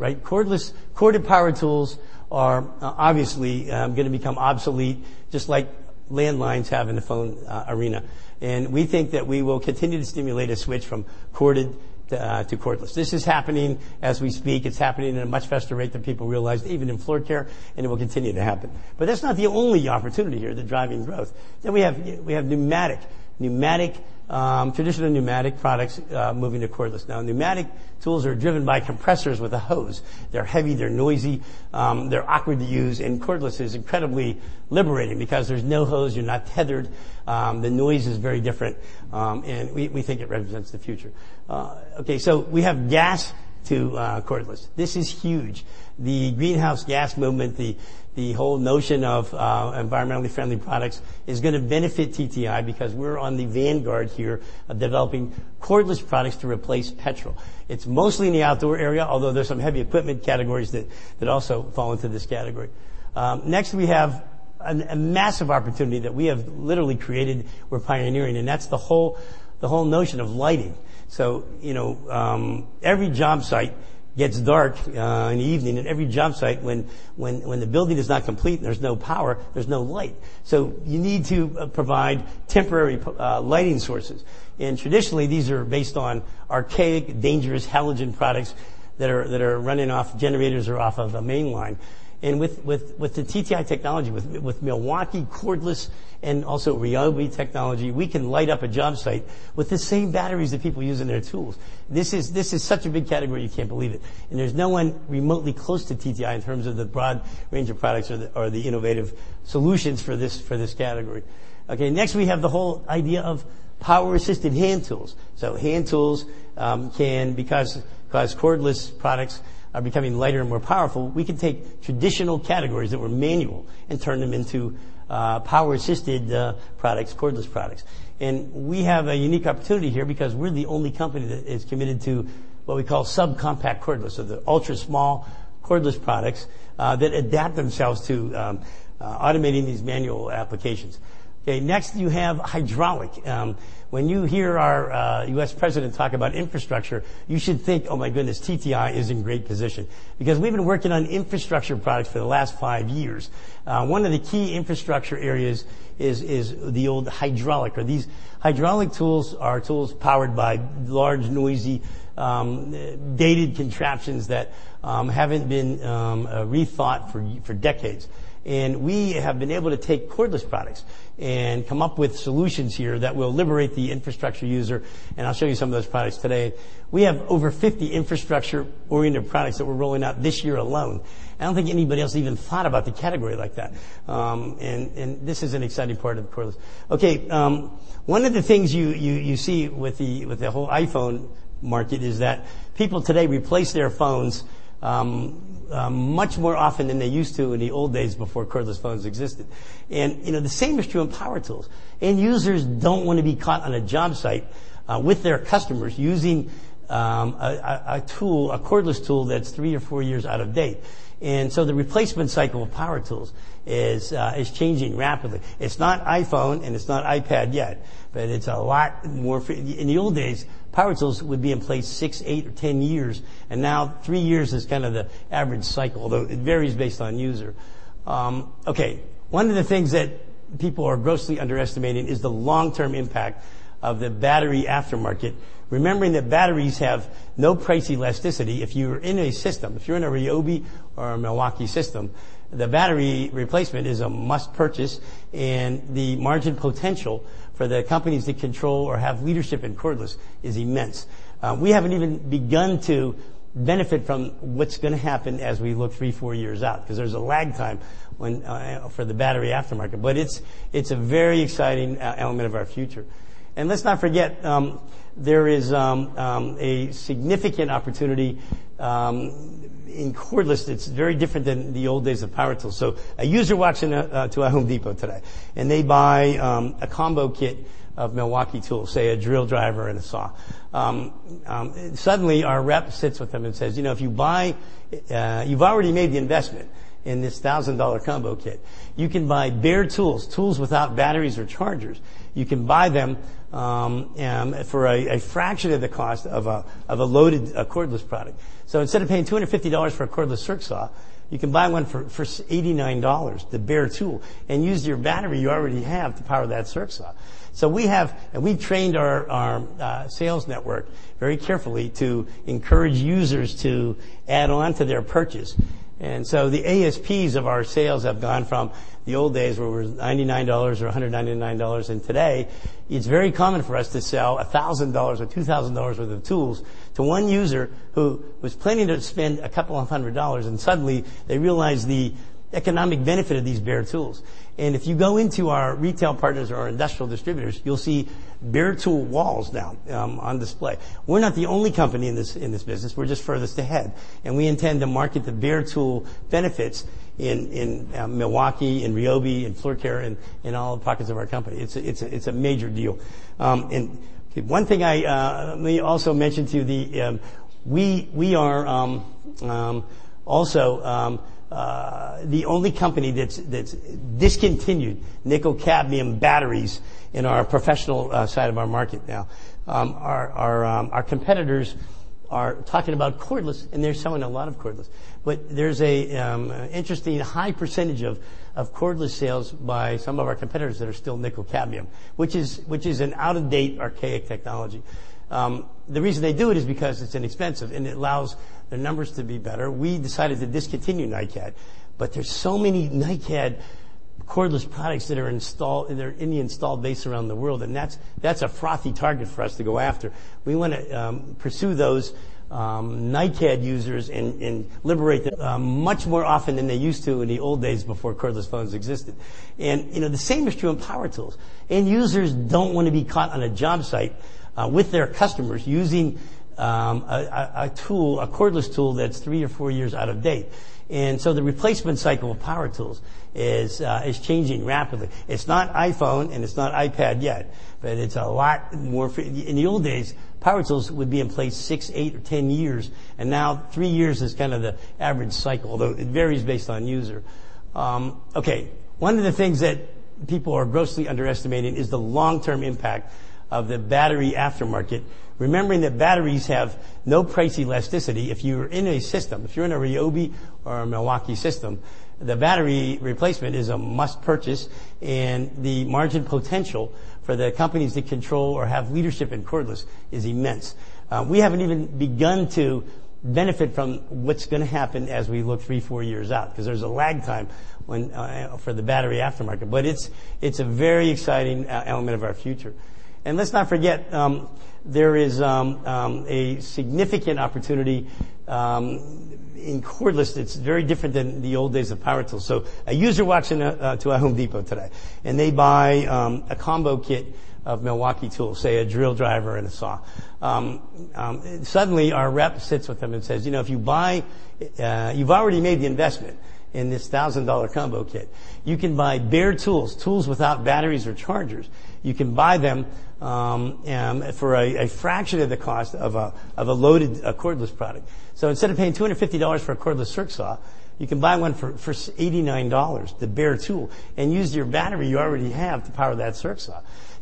Corded power tools are obviously going to become obsolete, just like landlines have in the phone arena. We think that we will continue to stimulate a switch from corded to cordless. This is happening as we speak. It's happening at a much faster rate than people realized, even in Floor Care, and it will continue to happen. That's not the only opportunity here that's driving growth. We have pneumatic. Traditional pneumatic products moving to cordless. Pneumatic tools are driven by compressors with a hose. They're heavy, they're noisy, they're awkward to use, and cordless is incredibly liberating because there's no hose, you're not tethered, the noise is very different, and we think it represents the future. We have gas to cordless. This is huge. The greenhouse gas movement, the whole notion of environmentally friendly products is going to benefit TTI because we're on the vanguard here of developing cordless products to replace petrol. It's mostly in the outdoor area, although there's some heavy equipment categories that also fall into this category. We have a massive opportunity that we have literally created, we're pioneering, and that's the whole notion of lighting. Every job site gets dark in the evening. At every job site, when the building is not complete and there's no power, there's no light. You need to provide temporary lighting sources. Traditionally, these are based on archaic, dangerous halogen products that are running off generators or off of a main line. With the TTI technology, with Milwaukee cordless and also Ryobi technology, we can light up a job site with the same batteries that people use in their tools. This is such a big category, you can't believe it. There's no one remotely close to TTI in terms of the broad range of products or the innovative solutions for this category. We have the whole idea of power-assisted hand tools. Hand tools can, because cordless products are becoming lighter and more powerful, we can take traditional categories that were manual and turn them into power-assisted products, cordless products. We have a unique opportunity here because we're the only company that is committed to what we call subcompact cordless. They're ultra-small cordless products that adapt themselves to automating these manual applications. You have hydraulic. When you hear our U.S. president talk about infrastructure, you should think, "Oh my goodness, TTI is in great position." Because we've been working on infrastructure products for the last five years. One of the key infrastructure areas is the old hydraulic. Hydraulic tools are tools powered by large, noisy, dated contraptions that haven't been rethought for decades. We have been able to take cordless products and come up with solutions here that will liberate the infrastructure user, and I'll show you some of those products today. We have over 50 infrastructure-oriented products that we're rolling out this year alone. I don't think anybody else even thought about the category like that. This is an exciting part of cordless. One of the things you see with the whole iPhone market is that people today replace their phones much more often than they used to in the old days before cordless phones existed. The same is true in power tools. End users don't want to be caught on a job site with their customers using a cordless tool that's three or four years out of date. The replacement cycle of power tools is changing rapidly. It's not iPhone and it's not iPad yet, but it's a lot more. In the old days, power tools would be in place six, eight, or 10 years, and now three years is kind of the average cycle, though it varies based on user. Okay. One of the things that people are grossly underestimating is the long-term impact of the battery aftermarket. Remembering that batteries have no price elasticity. If you are in a system, if you're in a Ryobi or a Milwaukee system, the battery replacement is a must purchase, and the margin potential for the companies that control or have leadership in cordless is immense. We haven't even begun to benefit from what's going to happen as we look three, four years out, because there's a lag time for the battery aftermarket. It's a very exciting element of our future. Let's not forget, there is a significant opportunity in cordless that's very different than the old days of power tools. A user walks into a Home Depot today and they buy a combo kit of Milwaukee tools, say, a drill driver and a saw. Suddenly, our rep sits with them and says, "You've already made the investment in this $1,000 combo kit. You can buy bare tools without batteries or chargers. You can buy them for a fraction of the cost of a loaded cordless product." Instead of paying $250 for a cordless circ saw, you can buy one for $89, the bare tool, and use your battery you already have to power that circ saw.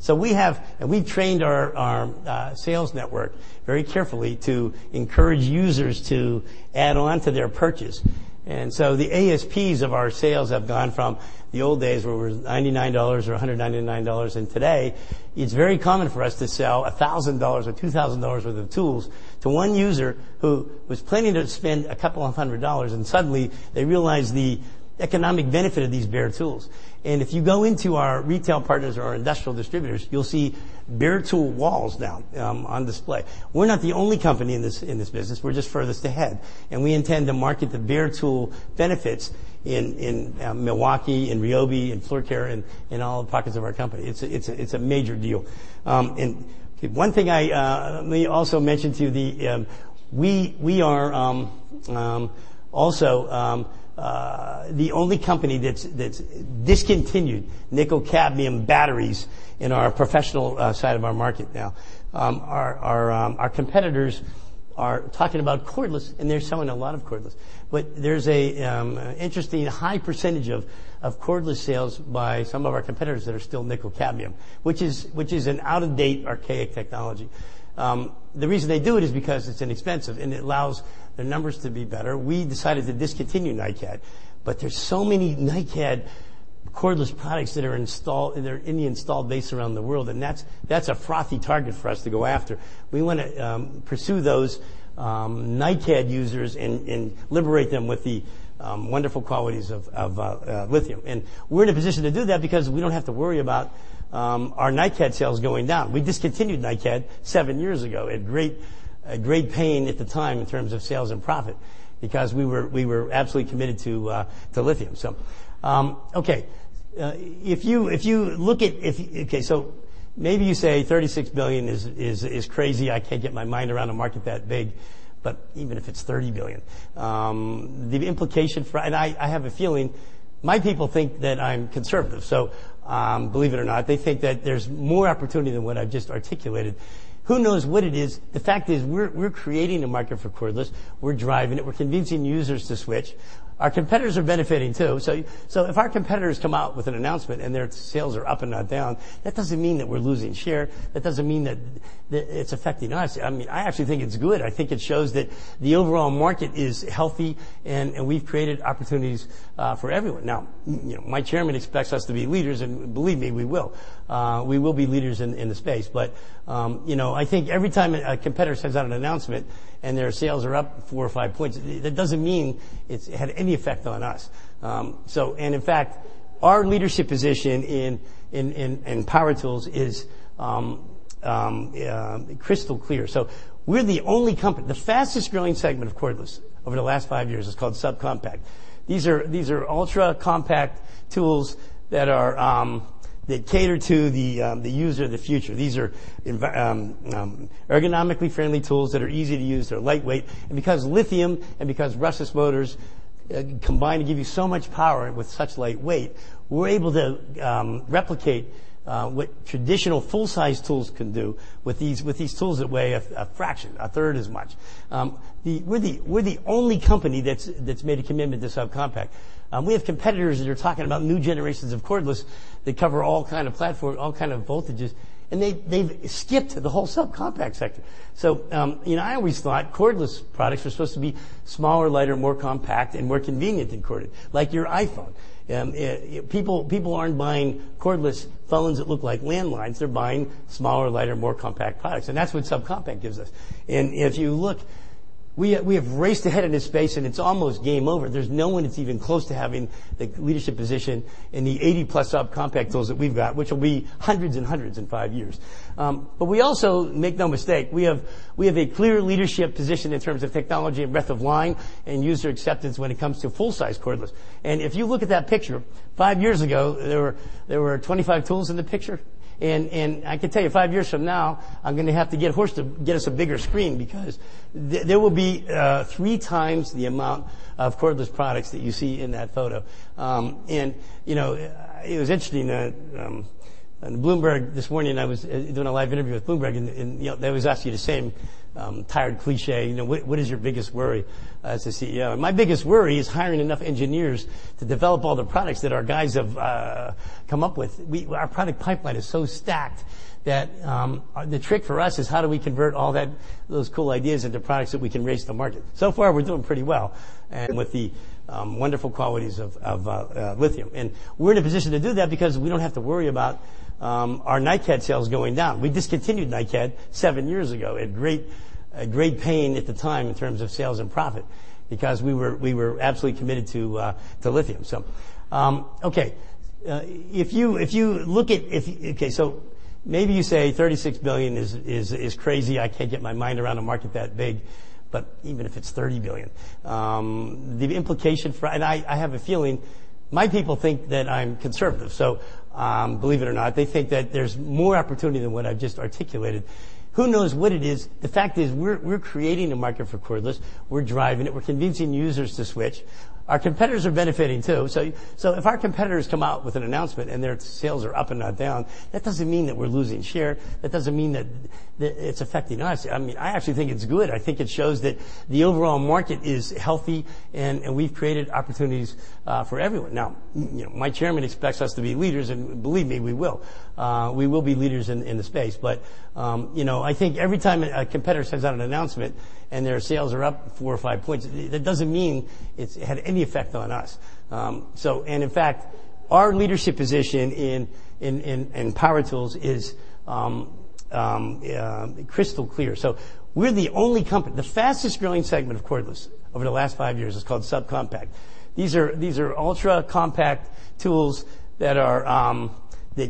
We trained our sales network very carefully to encourage users to add on to their purchase. The ASPs of our sales have gone from the old days where it was $99 or $199, and today, it's very common for us to sell $1,000 or $2,000 worth of tools to one user who was planning to spend a couple of hundred dollars, and suddenly they realize the economic benefit of these bare tools. If you go into our retail partners or our industrial distributors, you'll see bare tool walls now on display. We're not the only company in this business, we're just furthest ahead, and we intend to market the bare tool benefits in Milwaukee, in Ryobi, in Floor Care, and in all pockets of our company. It's a major deal. One thing I may also mention to you, we are also the only company that's discontinued nickel cadmium batteries in our professional side of our market now. Our competitors are talking about cordless, and they're selling a lot of cordless, NiCad users and liberate them with the wonderful qualities of lithium. We're in a position to do that because we don't have to worry about our NiCad sales going down. We discontinued NiCad seven years ago at great pain at the time in terms of sales and profit, because we were absolutely committed to lithium. Okay. Maybe you say $36 billion is crazy. I can't get my mind around a market that big. Even if it's $30 billion, the implication for-- I have a feeling, my people think that I'm conservative, believe it or not, they think that there's more opportunity than what I've just articulated. Who knows what it is? The fact is, we're creating a market for cordless. We're driving it. We're convincing users to switch. Our competitors are benefiting, too. If our competitors come out with an announcement and their sales are up and not down, that doesn't mean that we're losing share. That doesn't mean that it's affecting us. I actually think it's good. I think it shows that the overall market is healthy and we've created opportunities for everyone. My chairman expects us to be leaders, and believe me, we will. We will be leaders in the space. I think every time a competitor sends out an announcement and their sales are up four or five points, that doesn't mean it's had any effect on us. In fact, our leadership position in power tools is crystal clear. We're the only company. The fastest growing segment of cordless over the last five years is called subcompact. These are ultra-compact tools that cater to the user of the future. These are ergonomically friendly tools that are easy to use. They're lightweight. Because lithium and because brushless motors combine to give you so much power with such light weight, we're able to replicate what traditional full-size tools can do with these tools that weigh a fraction, a third as much. We're the only company that's made a commitment to subcompact. We have competitors that are talking about new generations of cordless that cover all kind of platform, all kind of voltages, and they've skipped the whole subcompact sector. I always thought cordless products were supposed to be smaller, lighter, more compact, and more convenient than corded, like your iPhone. People aren't buying cordless phones that look like landlines. They're buying smaller, lighter, more compact products, and that's what subcompact gives us. If you look, we have raced ahead in this space, and it's almost game over. There's no one that's even close to having the leadership position in the 80-plus subcompact tools that we've got, which will be hundreds and hundreds in five years. We also, make no mistake, we have a clear leadership position in terms of technology and breadth of line and user acceptance when it comes to full-size cordless. If you look at that picture, five years ago, there were 25 tools in the picture. I can tell you five years from now, I'm going to have to get Horst to get us a bigger screen because there will be three times the amount of cordless products that you see in that photo. It was interesting, on Bloomberg this morning, I was doing a live interview with Bloomberg, and they always ask you the same tired cliché, "What is your biggest worry as a CEO?" My biggest worry is hiring enough engineers to develop all the products that our guys have come up with. Our product pipeline is so stacked that the trick for us is how do we convert all those cool ideas into products that we can race to market. Far, we're doing pretty well, and with the wonderful qualities of lithium. We're in a position to do that because we don't have to worry about our NiCad sales going down. We discontinued NiCad seven years ago at great pain at the time in terms of sales and profit because we were absolutely committed to lithium. Maybe you say $36 billion is crazy. I can't get my mind around a market that big. Even if it's $30 billion, and I have a feeling my people think that I'm conservative. Believe it or not, they think that there's more opportunity than what I've just articulated. Who knows what it is? The fact is we're creating a market for cordless. We're driving it. We're convincing users to switch. Our competitors are benefiting, too. If our competitors come out with an announcement and their sales are up and not down, that doesn't mean that we're losing share. That doesn't mean that it's affecting us. I actually think it's good. I think it shows that the overall market is healthy, and we've created opportunities for everyone. My chairman expects us to be leaders, and believe me, we will. We will be leaders in the space. I think every time a competitor sends out an announcement and their sales are up four or five points, that doesn't mean it's had any effect on us. In fact, our leadership position in power tools is crystal clear. The fastest-growing segment of cordless over the last five years is called subcompact. These are ultra-compact tools that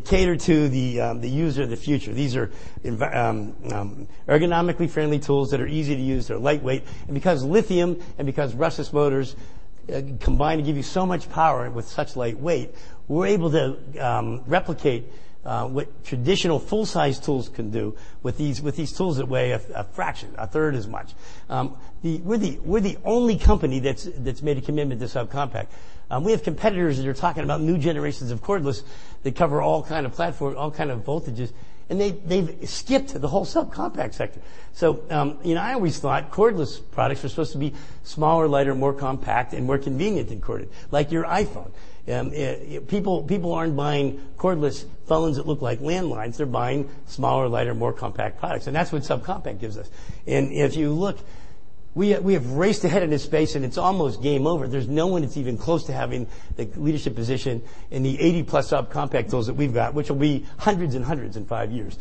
cater to the user of the future. These are ergonomically friendly tools that are easy to use. They're lightweight. Because lithium and because brushless motors combine to give you so much power with such light weight, we're able to replicate what traditional full-size tools can do with these tools that weigh a fraction, a third as much. We're the only company that's made a commitment to subcompact. We have competitors that are talking about new generations of cordless that cover all kind of platform, all kind of voltages, and they've skipped the whole subcompact sector. I always thought cordless products were supposed to be smaller, lighter, more compact, and more convenient than corded, like your iPhone. People aren't buying cordless phones that look like landlines. They're buying smaller, lighter, more compact products, and that's what subcompact gives us. If you look, we have raced ahead in this space, and it's almost game over. There's no one that's even close to having the leadership position in the 80-plus subcompact tools that we've got, which will be hundreds and hundreds in five years.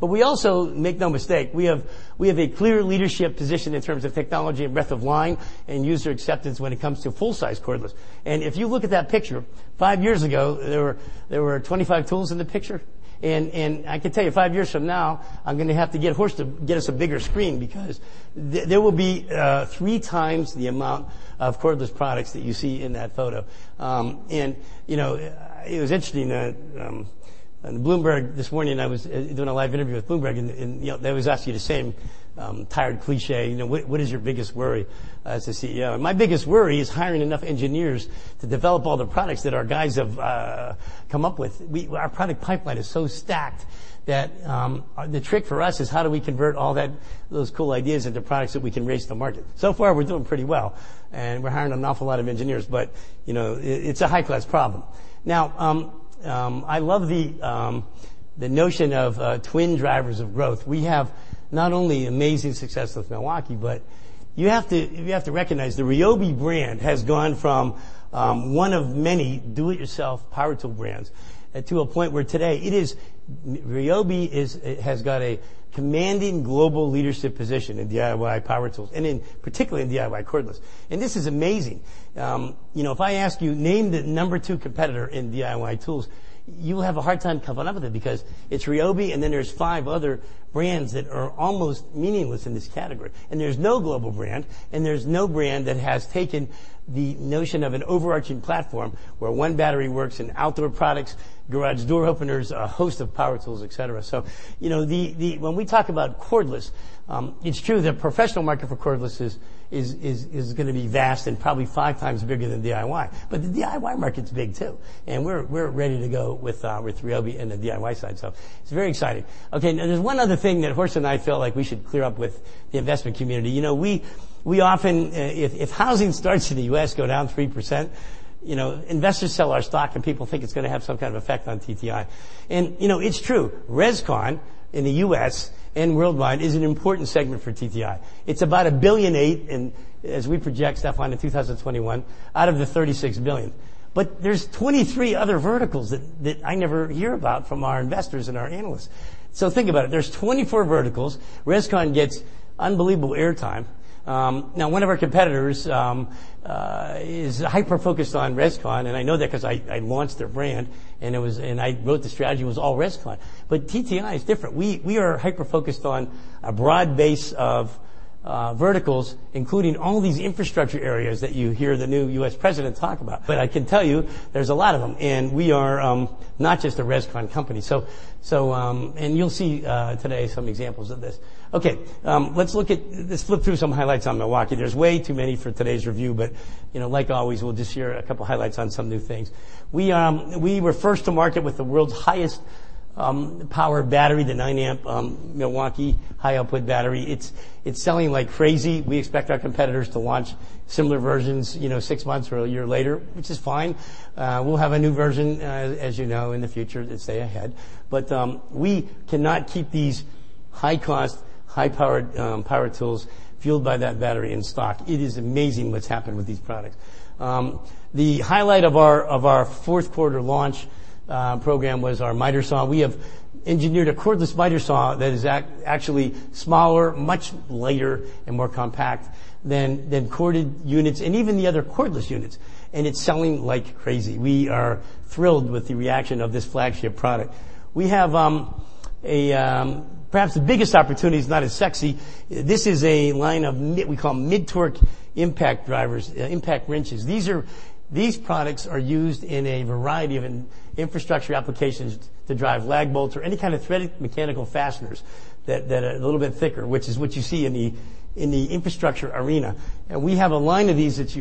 We also, make no mistake, we have a clear leadership position in terms of technology and breadth of line and user acceptance when it comes to full-size cordless. If you look at that picture, five years ago, there were 25 tools in the picture. I can tell you five years from now, I'm going to have to get Horst to get us a bigger screen because there will be three times the amount of cordless products that you see in that photo. It was interesting, on Bloomberg this morning, I was doing a live interview with Bloomberg, and they always ask you the same tired cliché, "What is your biggest worry as a CEO?" My biggest worry is hiring enough engineers to develop all the products that our guys have come up with. Our product pipeline is so stacked that the trick for us is how do we convert all those cool ideas into products that we can race to market. So far, we're doing pretty well, and we're hiring an awful lot of engineers, but it's a high-class problem. I love the notion of twin drivers of growth. We have not only amazing success with Milwaukee, but you have to recognize the RYOBI brand has gone from one of many do-it-yourself power tool brands to a point where today RYOBI has got a commanding global leadership position in DIY power tools and in particularly in DIY cordless. This is amazing. If I ask you, name the number two competitor in DIY tools, you will have a hard time coming up with it because it's RYOBI, and then there's five other brands that are almost meaningless in this category. There's no global brand, and there's no brand that has taken the notion of an overarching platform where one battery works in outdoor products, garage door openers, a host of power tools, et cetera. When we talk about cordless, it's true the professional market for cordless is going to be vast and probably five times bigger than DIY. The DIY market's big too, and we're ready to go with Ryobi in the DIY side. It's very exciting. Okay, now there's one other thing that Horst and I feel like we should clear up with the investment community. If housing starts in the U.S. go down 3%, investors sell our stock, and people think it's going to have some kind of effect on TTI. It's true. ResCon in the U.S. and worldwide is an important segment for TTI. It's about $1.8 billion, as we project, Steph, on the 2021, out of the $36 billion. There's 23 other verticals that I never hear about from our investors and our analysts. Think about it. There's 24 verticals. ResCon gets unbelievable air time. One of our competitors is hyper-focused on ResCon, and I know that because I launched their brand, and I wrote the strategy. It was all ResCon. TTI is different. We are hyper-focused on a broad base of verticals, including all these infrastructure areas that you hear the new U.S. president talk about. I can tell you there's a lot of them, and we are not just a ResCon company. You'll see today some examples of this. Let's flip through some highlights on Milwaukee. There's way too many for today's review, but like always, we'll just share a couple of highlights on some new things. We were first to market with the world's highest power battery, the nine amp Milwaukee high output battery. It's selling like crazy. We expect our competitors to launch similar versions six months or a year later, which is fine. We'll have a new version, as you know, in the future to stay ahead. We cannot keep these high-cost, high-powered power tools fueled by that battery in stock. It is amazing what's happened with these products. The highlight of our fourth quarter launch program was our miter saw. We have engineered a cordless miter saw that is actually smaller, much lighter, and more compact than corded units and even the other cordless units. It's selling like crazy. We are thrilled with the reaction of this flagship product. Perhaps the biggest opportunity is not as sexy. This is a line of we call mid-torque impact drivers, impact wrenches. These products are used in a variety of infrastructure applications to drive lag bolts or any kind of threaded mechanical fasteners that are a little bit thicker, which is what you see in the infrastructure arena. We have a line of these that's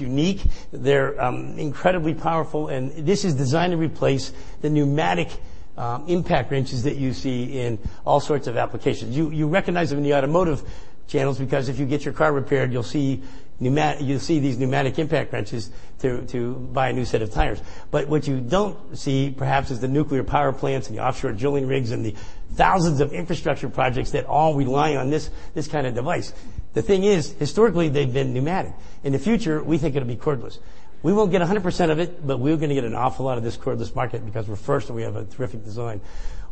unique. They're incredibly powerful, and this is designed to replace the pneumatic impact wrenches that you see in all sorts of applications. You recognize them in the automotive channels because if you get your car repaired, you'll see these pneumatic impact wrenches to buy a new set of tires. What you don't see, perhaps, is the nuclear power plants and the offshore drilling rigs and the thousands of infrastructure projects that all rely on this kind of device. The thing is, historically, they've been pneumatic. In the future, we think it'll be cordless. We won't get 100% of it, we're going to get an awful lot of this cordless market because we're first, and we have a terrific design.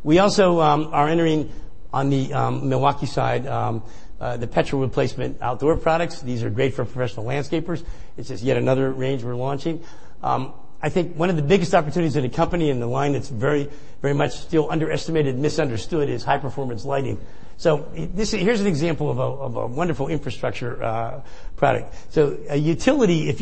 We also are entering on the Milwaukee side, the petrol replacement outdoor products. These are great for professional landscapers. This is yet another range we're launching. I think one of the biggest opportunities in the company in the line that's very much still underestimated, misunderstood, is high-performance lighting. Here's an example of a wonderful infrastructure product. If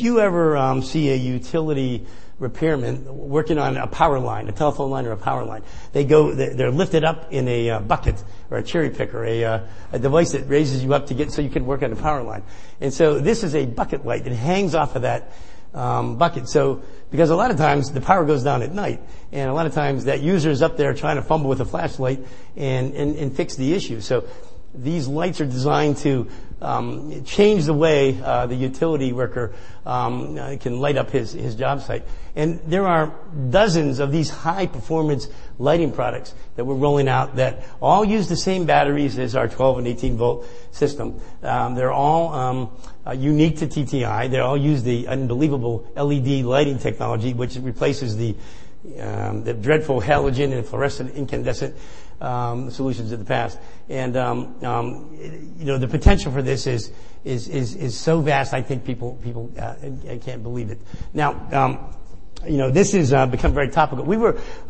you ever see a utility repairman working on a power line, a telephone line or a power line, they're lifted up in a bucket or a cherry picker, a device that raises you up to get so you can work on a power line. This is a bucket light that hangs off of that bucket. A lot of times the power goes down at night, and a lot of times that user's up there trying to fumble with a flashlight and fix the issue. These lights are designed to change the way the utility worker can light up his job site. There are dozens of these high-performance lighting products that we're rolling out that all use the same batteries as our 12 and 18-volt system. They're all unique to TTI. They all use the unbelievable LED lighting technology, which replaces the dreadful halogen and fluorescent incandescent solutions of the past. The potential for this is so vast, I think people can't believe it. This has become very topical.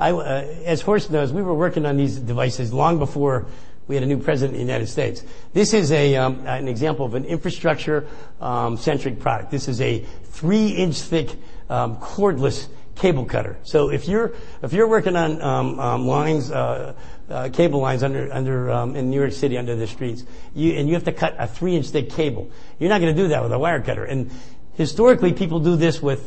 As Horst knows, we were working on these devices long before we had a new president in the United States. This is an example of an infrastructure-centric product. This is a 3-inch thick cordless cable cutter. If you're working on cable lines in New York City under the streets, and you have to cut a 3-inch thick cable, you're not going to do that with a wire cutter. Historically, people do this with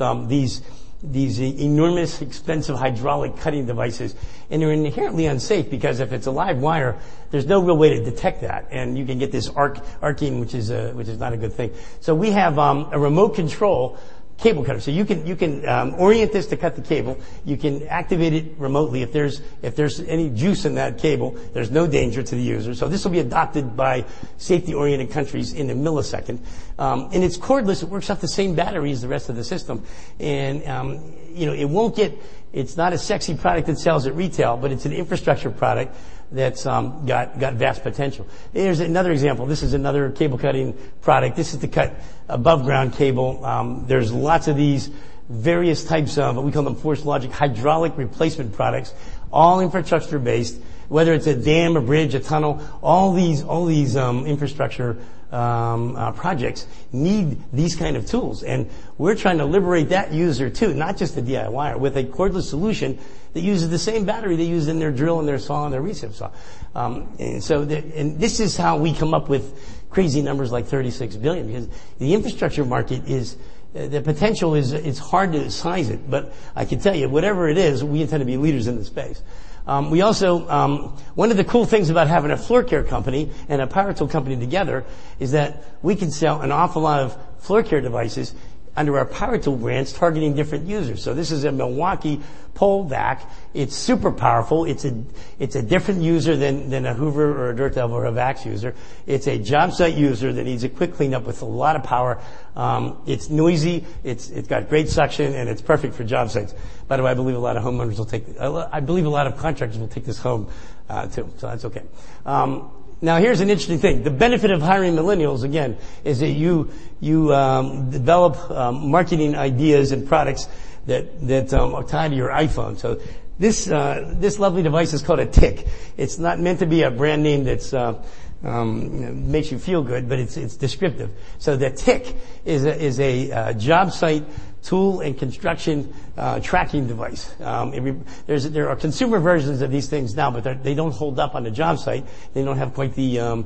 these enormous, expensive hydraulic cutting devices, and they're inherently unsafe because if it's a live wire, there's no real way to detect that, and you can get this arcing, which is not a good thing. We have a remote control cable cutter. You can orient this to cut the cable. You can activate it remotely. If there's any juice in that cable, there's no danger to the user. This will be adopted by safety-oriented countries in a millisecond. It's cordless. It works off the same battery as the rest of the system. It's not a sexy product that sells at retail, but it's an infrastructure product that uses the same battery they use in their drill and their saw and their recip saw. This is how we come up with crazy numbers like $36 billion, because the infrastructure market, the potential, it's hard to size it. I can tell you, whatever it is, we intend to be leaders in the space. One of the cool things about having a floor care company and a power tool company together is that we can sell an awful lot of floor care devices under our power tool brands targeting different users. This is a Milwaukee pole vac. It's super powerful. It's a different user than a Hoover or a Dirt Devil or a VAX user. It's a job site user that needs a quick cleanup with a lot of power. It's noisy, it's got great suction, and it's perfect for job sites. By the way, I believe a lot of contractors will take this home, too, that's okay. Here's an interesting thing. The benefit of hiring millennials, again, is that you develop marketing ideas and products that are tied to your iPhone. This lovely device is called a TICK. It's not meant to be a brand name that makes you feel good, but it's descriptive. The TICK is a job site tool and construction tracking device. There are consumer versions of these things now, but they don't hold up on a job site. They don't have quite the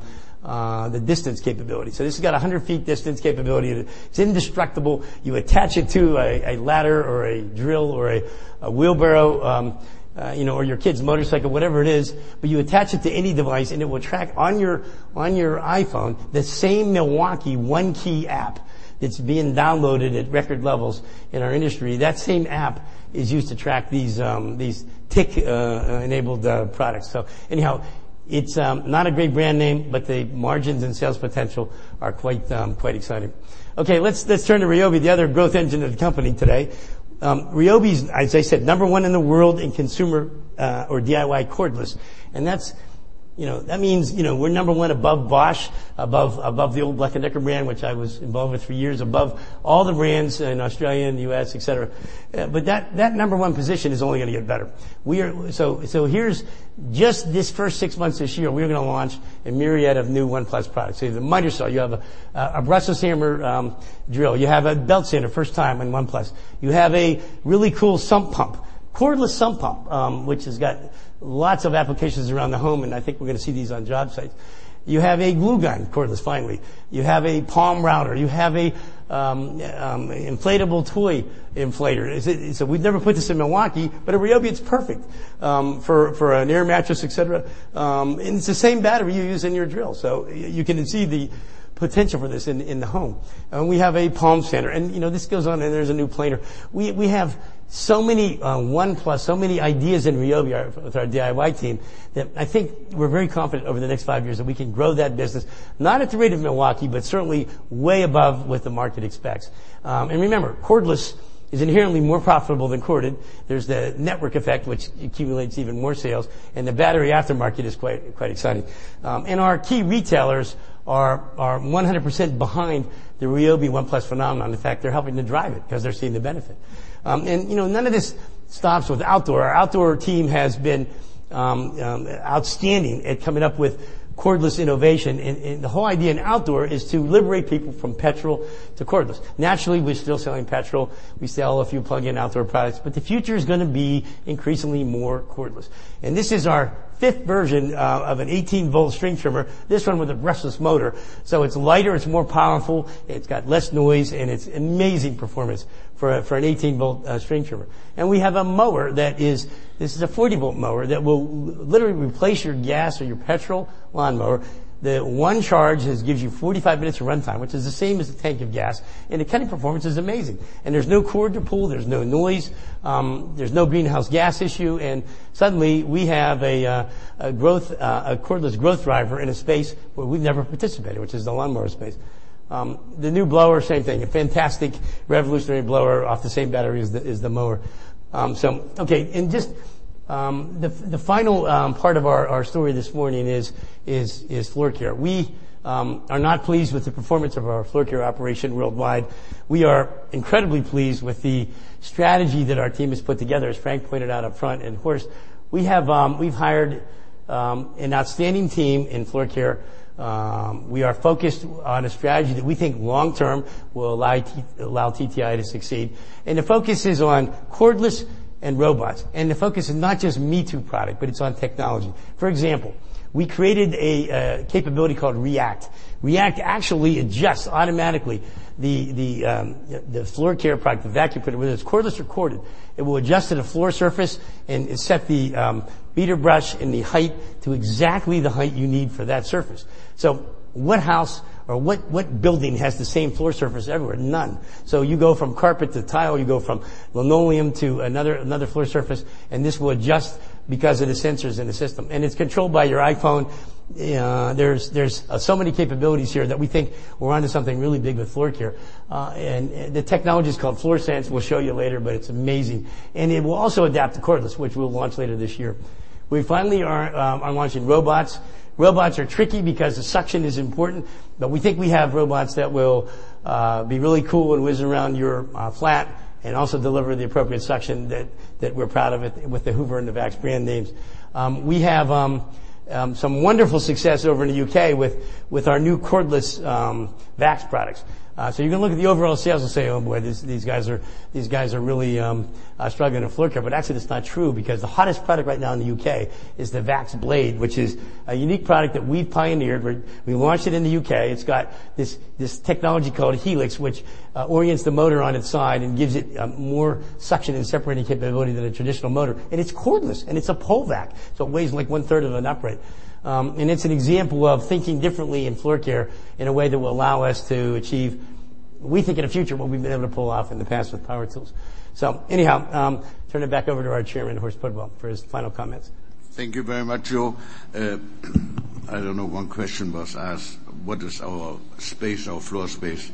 distance capability. This has got 100 feet distance capability. It's indestructible. You attach it to a ladder or a drill or a wheelbarrow or your kid's motorcycle, whatever it is, but you attach it to any device and it will track on your iPhone the same Milwaukee ONE-KEY app that's being downloaded at record levels in our industry. That same app is used to track these TICK-enabled products. Anyhow, it's not a great brand name, but the margins and sales potential are quite exciting. Okay, let's turn to Ryobi, the other growth engine of the company today. Ryobi is, as I said, number one in the world in consumer or DIY cordless. That means we're number one above Bosch, above the old Black & Decker brand, which I was involved with for years, above all the brands in Australia and the U.S., et cetera. That number one position is only going to get better. Here's just this first six months this year, we're going to launch a myriad of new ONE+ products. You have a miter saw, you have a brushless hammer drill, you have a belt sander, first time in ONE+. You have a really cool sump pump. Cordless sump pump, which has got lots of applications around the home, and I think we're going to see these on job sites. You have a glue gun, cordless finally. You have a palm router. You have an inflatable toy inflator. We'd never put this in Milwaukee, but at Ryobi, it's perfect for an air mattress, et cetera. It's the same battery you use in your drill. You can see the potential for this in the home. We have a palm sander, and this goes on, and there's a new planer. We have so many ONE+, so many ideas in Ryobi with our DIY team that I think we're very confident over the next five years that we can grow that business, not at the rate of Milwaukee, but certainly way above what the market expects. Remember, cordless is inherently more profitable than corded. There's the network effect, which accumulates even more sales, and the battery aftermarket is quite exciting. Our key retailers are 100% behind the Ryobi ONE+ phenomenon. In fact, they're helping to drive it because they're seeing the benefit. None of this stops with outdoor. Our outdoor team has been outstanding at coming up with cordless innovation, and the whole idea in outdoor is to liberate people from petrol to cordless. Naturally, we're still selling petrol. We sell a few plug-in outdoor products, but the future is going to be increasingly more cordless. This is our fifth version of an 18-volt string trimmer, this one with a brushless motor. It's lighter, it's more powerful, it's got less noise, and it's amazing performance for an 18-volt string trimmer. We have a mower. This is a 40-volt mower that will literally replace your gas or your petrol lawnmower. The one charge gives you 45 minutes of runtime, which is the same as a tank of gas, and the cutting performance is amazing. There's no cord to pull, there's no noise, there's no greenhouse gas issue, and suddenly we have a cordless growth driver in a space where we've never participated, which is the lawnmower space. The new blower, same thing, a fantastic revolutionary blower off the same battery as the mower. The final part of our story this morning is Floor Care. We are not pleased with the performance of our Floor Care operation worldwide. We are incredibly pleased with the strategy that our team has put together, as Frank pointed out up front. Of course, we've hired an outstanding team in Floor Care. We are focused on a strategy that we think long term will allow TTI to succeed. The focus is on cordless and robots. The focus is not just me-too product, but it's on technology. For example, we created a capability called REACT. REACT actually adjusts automatically the Floor Care product, the vacuum cleaner, whether it's cordless or corded. It will adjust to the floor surface and set the beater brush and the height to exactly the height you need for that surface. What house or what building has the same floor surface everywhere? None. You go from carpet to tile, you go from linoleum to another floor surface, and this will adjust because of the sensors in the system. It's controlled by your iPhone. There's so many capabilities here that we think we're onto something really big with Floor Care. The technology is called FloorSense. We'll show you later, but it's amazing. It will also adapt to cordless, which we'll launch later this year. We finally are launching robots. Robots are tricky because the suction is important, but we think we have robots that will be really cool and whiz around your flat and also deliver the appropriate suction that we're proud of it with the Hoover and the VAX brand names. We have some wonderful success over in the U.K. with our new cordless VAX products. You can look at the overall sales and say, "Oh boy, these guys are really struggling in Floor Care." Actually, that's not true because the hottest product right now in the U.K. is the VAX Blade, which is a unique product that we've pioneered. We launched it in the U.K. It's got this technology called Helix, which orients the motor on its side and gives it more suction and separating capability than a traditional motor. It's cordless, and it's a pull vac, so it weighs one-third of an upright. It's an example of thinking differently in Floor Care in a way that will allow us to achieve, we think, in the future what we've been able to pull off in the past with power tools. Anyhow, turn it back over to our Chairman, Horst Pudwill, for his final comments. Thank you very much, Joe. I don't know, one question was asked, what is our space, our floor space-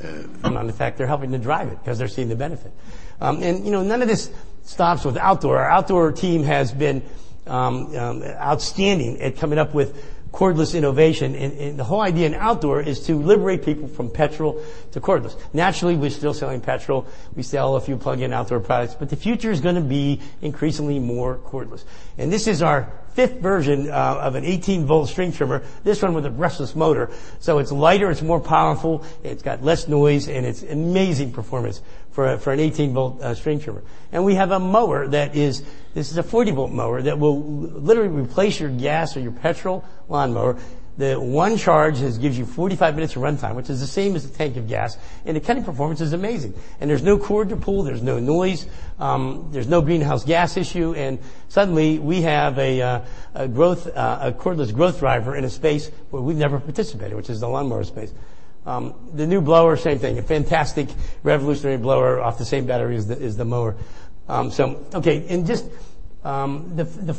In fact, they're helping to drive it because they're seeing the benefit. None of this stops with outdoor. Our outdoor team has been outstanding at coming up with cordless innovation, and the whole idea in outdoor is to liberate people from petrol to cordless. Naturally, we're still selling petrol. We sell a few plug-in outdoor products, but the future is going to be increasingly more cordless. This is our fifth version of an 18-volt string trimmer, this one with a brushless motor. So it's lighter, it's more powerful, it's got less noise, and it's amazing performance for an 18-volt string trimmer. We have a mower that is. This is a 40-volt mower that will literally replace your gas or your petrol lawnmower. The one charge gives you 45 minutes of runtime, which is the same as a tank of gas, and the cutting performance is amazing. There's no cord to pull, there's no noise, there's no greenhouse gas issue, and suddenly we have a cordless growth driver in a space where we've never participated, which is the lawnmower space. The new blower, same thing, a fantastic revolutionary blower off the same battery as the mower. The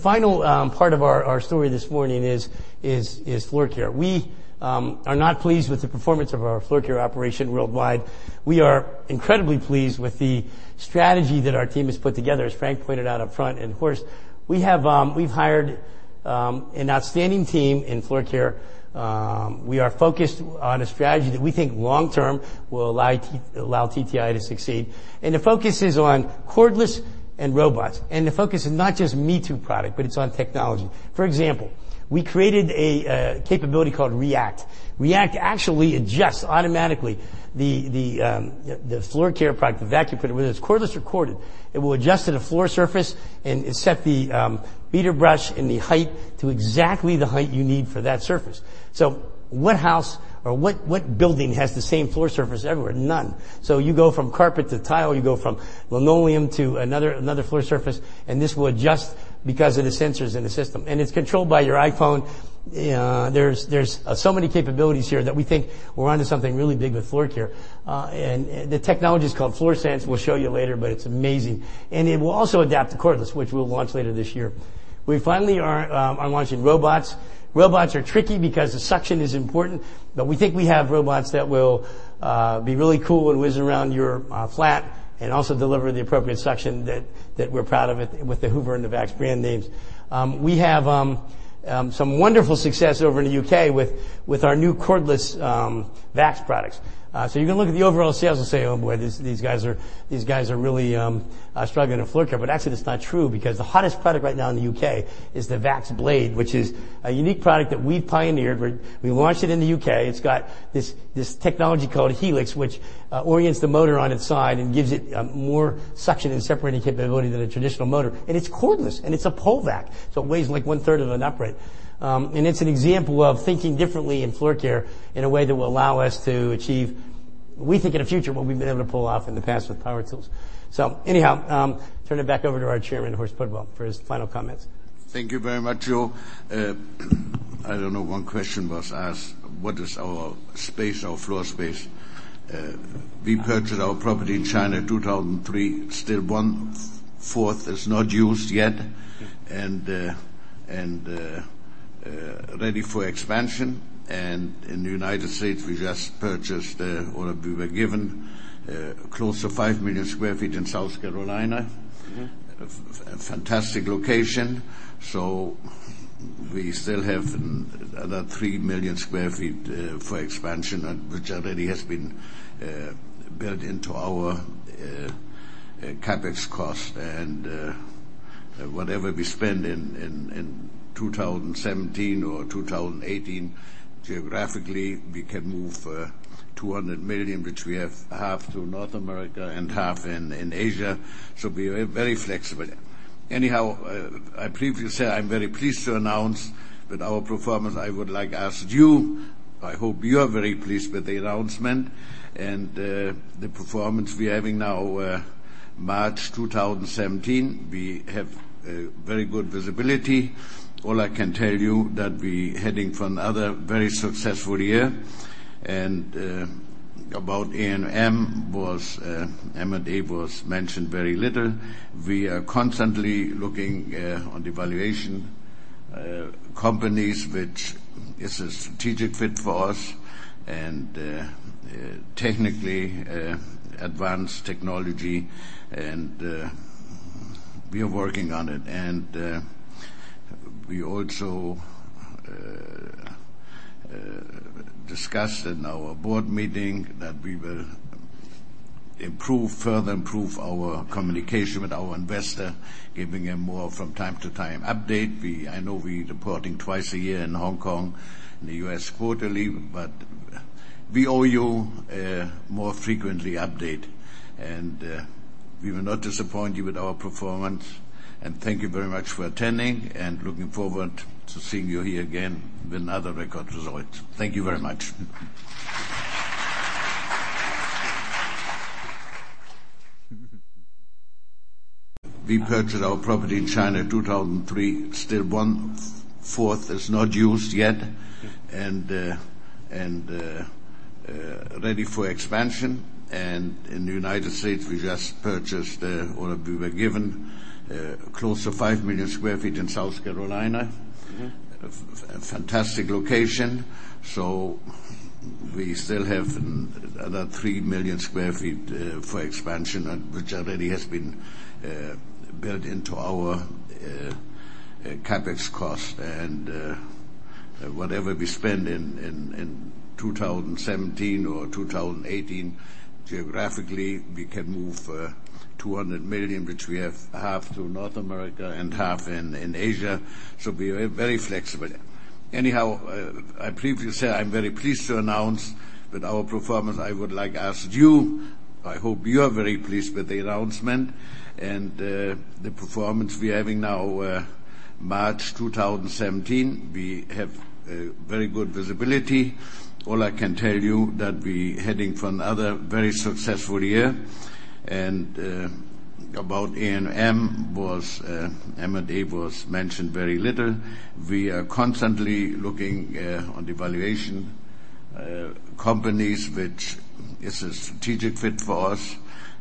final part of our story this morning is Floor Care. We are not pleased with the performance of our Floor Care operation worldwide. We are incredibly pleased with the strategy that our team has put together, as Frank pointed out up front. Of course, we've hired an outstanding team in Floor Care. We are focused on a strategy that we think long-term will allow TTI to succeed, and the focus is on cordless and robots. The focus is not just me-too product, but it's on technology. For example, we created a capability called REACT. REACT actually adjusts automatically the Floor Care product, the vacuum cleaner, whether it's cordless or corded. It will adjust to the floor surface and set the beater brush and the height to exactly the height you need for that surface. What house or what building has the same floor surface everywhere? None. You go from carpet to tile, you go from linoleum to another floor surface, and this will adjust because of the sensors in the system. It's controlled by your iPhone. There's so many capabilities here that we think we're onto something really big with Floor Care. The technology is called FloorSense. We'll show you later, but it's amazing. It will also adapt to cordless, which we'll launch later this year. We finally are launching robots. Robots are tricky because the suction is important, but we think we have robots that will be really cool and whiz around your flat and also deliver the appropriate suction that we're proud of it with the Hoover and the VAX brand names. We have some wonderful success over in the U.K. with our new cordless VAX products. You can look at the overall sales and say, "Oh, boy, these guys are really struggling in Floor Care." Actually, that's not true because the hottest product right now in the U.K. is the VAX Blade, which is a unique product that we've pioneered. We launched it in the U.K. It's got this technology called Helix, which orients the motor on its side and gives it more suction and separating capability than a traditional motor. It's cordless, and it's a pull vac, so it weighs one-third of an upright. It's an example of thinking differently in floor care in a way that will allow us to achieve, we think, in the future, what we've been able to pull off in the past with power tools. Anyhow, turn it back over to our Chairman, Horst Pudwill, for his final comments. Thank you very much, Joe. I don't know, one question was asked, what is our space, our floor space? We purchased our property in China 2003. Still one-fourth is not used yet, and ready for expansion. In the United States, we just purchased, or we were given, close to 5 million sq ft in South Carolina. A fantastic location. We still have another 3 million sq ft for expansion, which already has been built into our CapEx cost. Whatever we spend in 2017 or 2018, geographically, we can move $200 million, which we have half to North America and half in Asia. We are very flexible. Anyhow, I previously said I'm very pleased to announce with our performance. I would like to ask you, I hope you are very pleased with the announcement and the performance we're having now. March 2017, we have very good visibility. All I can tell you that we're heading for another very successful year. About M&A, M&A was mentioned very little. We are constantly looking on the valuation companies, which is a strategic fit for us and technically advanced technology, and we are working on it. We also discussed in our board meeting that we will further improve our communication with our investor, giving him more from time to time update. I know we're reporting twice a year in Hong Kong and the U.S. quarterly, we owe you more frequently update. We will not disappoint you with our performance. Thank you very much for attending, and looking forward to seeing you here again with another record result. Thank you very much. We purchased our property in China 2003. Still one-fourth is not used yet, and ready for expansion. In the United States, we just purchased, or we were given, close to 5 million sq ft in South Carolina. A fantastic location. We still have another 3 million sq ft for expansion, which already has been built into our CapEx cost. Whatever we spend in 2017 or 2018, geographically, we can move $200 million, which we have half to North America and half in Asia. We are very flexible. Anyhow, I previously said I'm very pleased to announce with our performance. I would like to ask you, I hope you are very pleased with the announcement and the performance we're having now. March 2017, we have very good visibility. All I can tell you that we're heading for another very successful year. About M&A, M&A was mentioned very little. We are constantly looking on the valuation companies, which is a strategic fit for us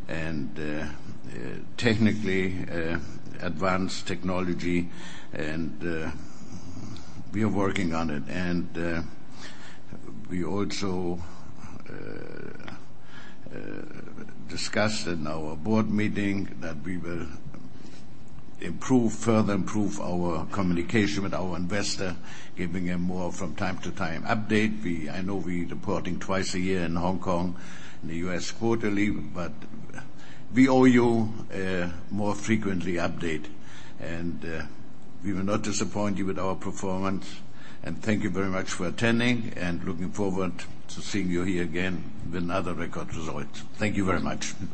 and technically advanced technology, and we are working on it. We also discussed in our board meeting that we will further improve our communication with our investor, giving him more from time to time update. I know we're reporting twice a year in Hong Kong and the U.S. quarterly, but we owe you more frequently update. We will not disappoint you with our performance. Thank you very much for attending, and looking forward to seeing you here again with another record result. Thank you very much.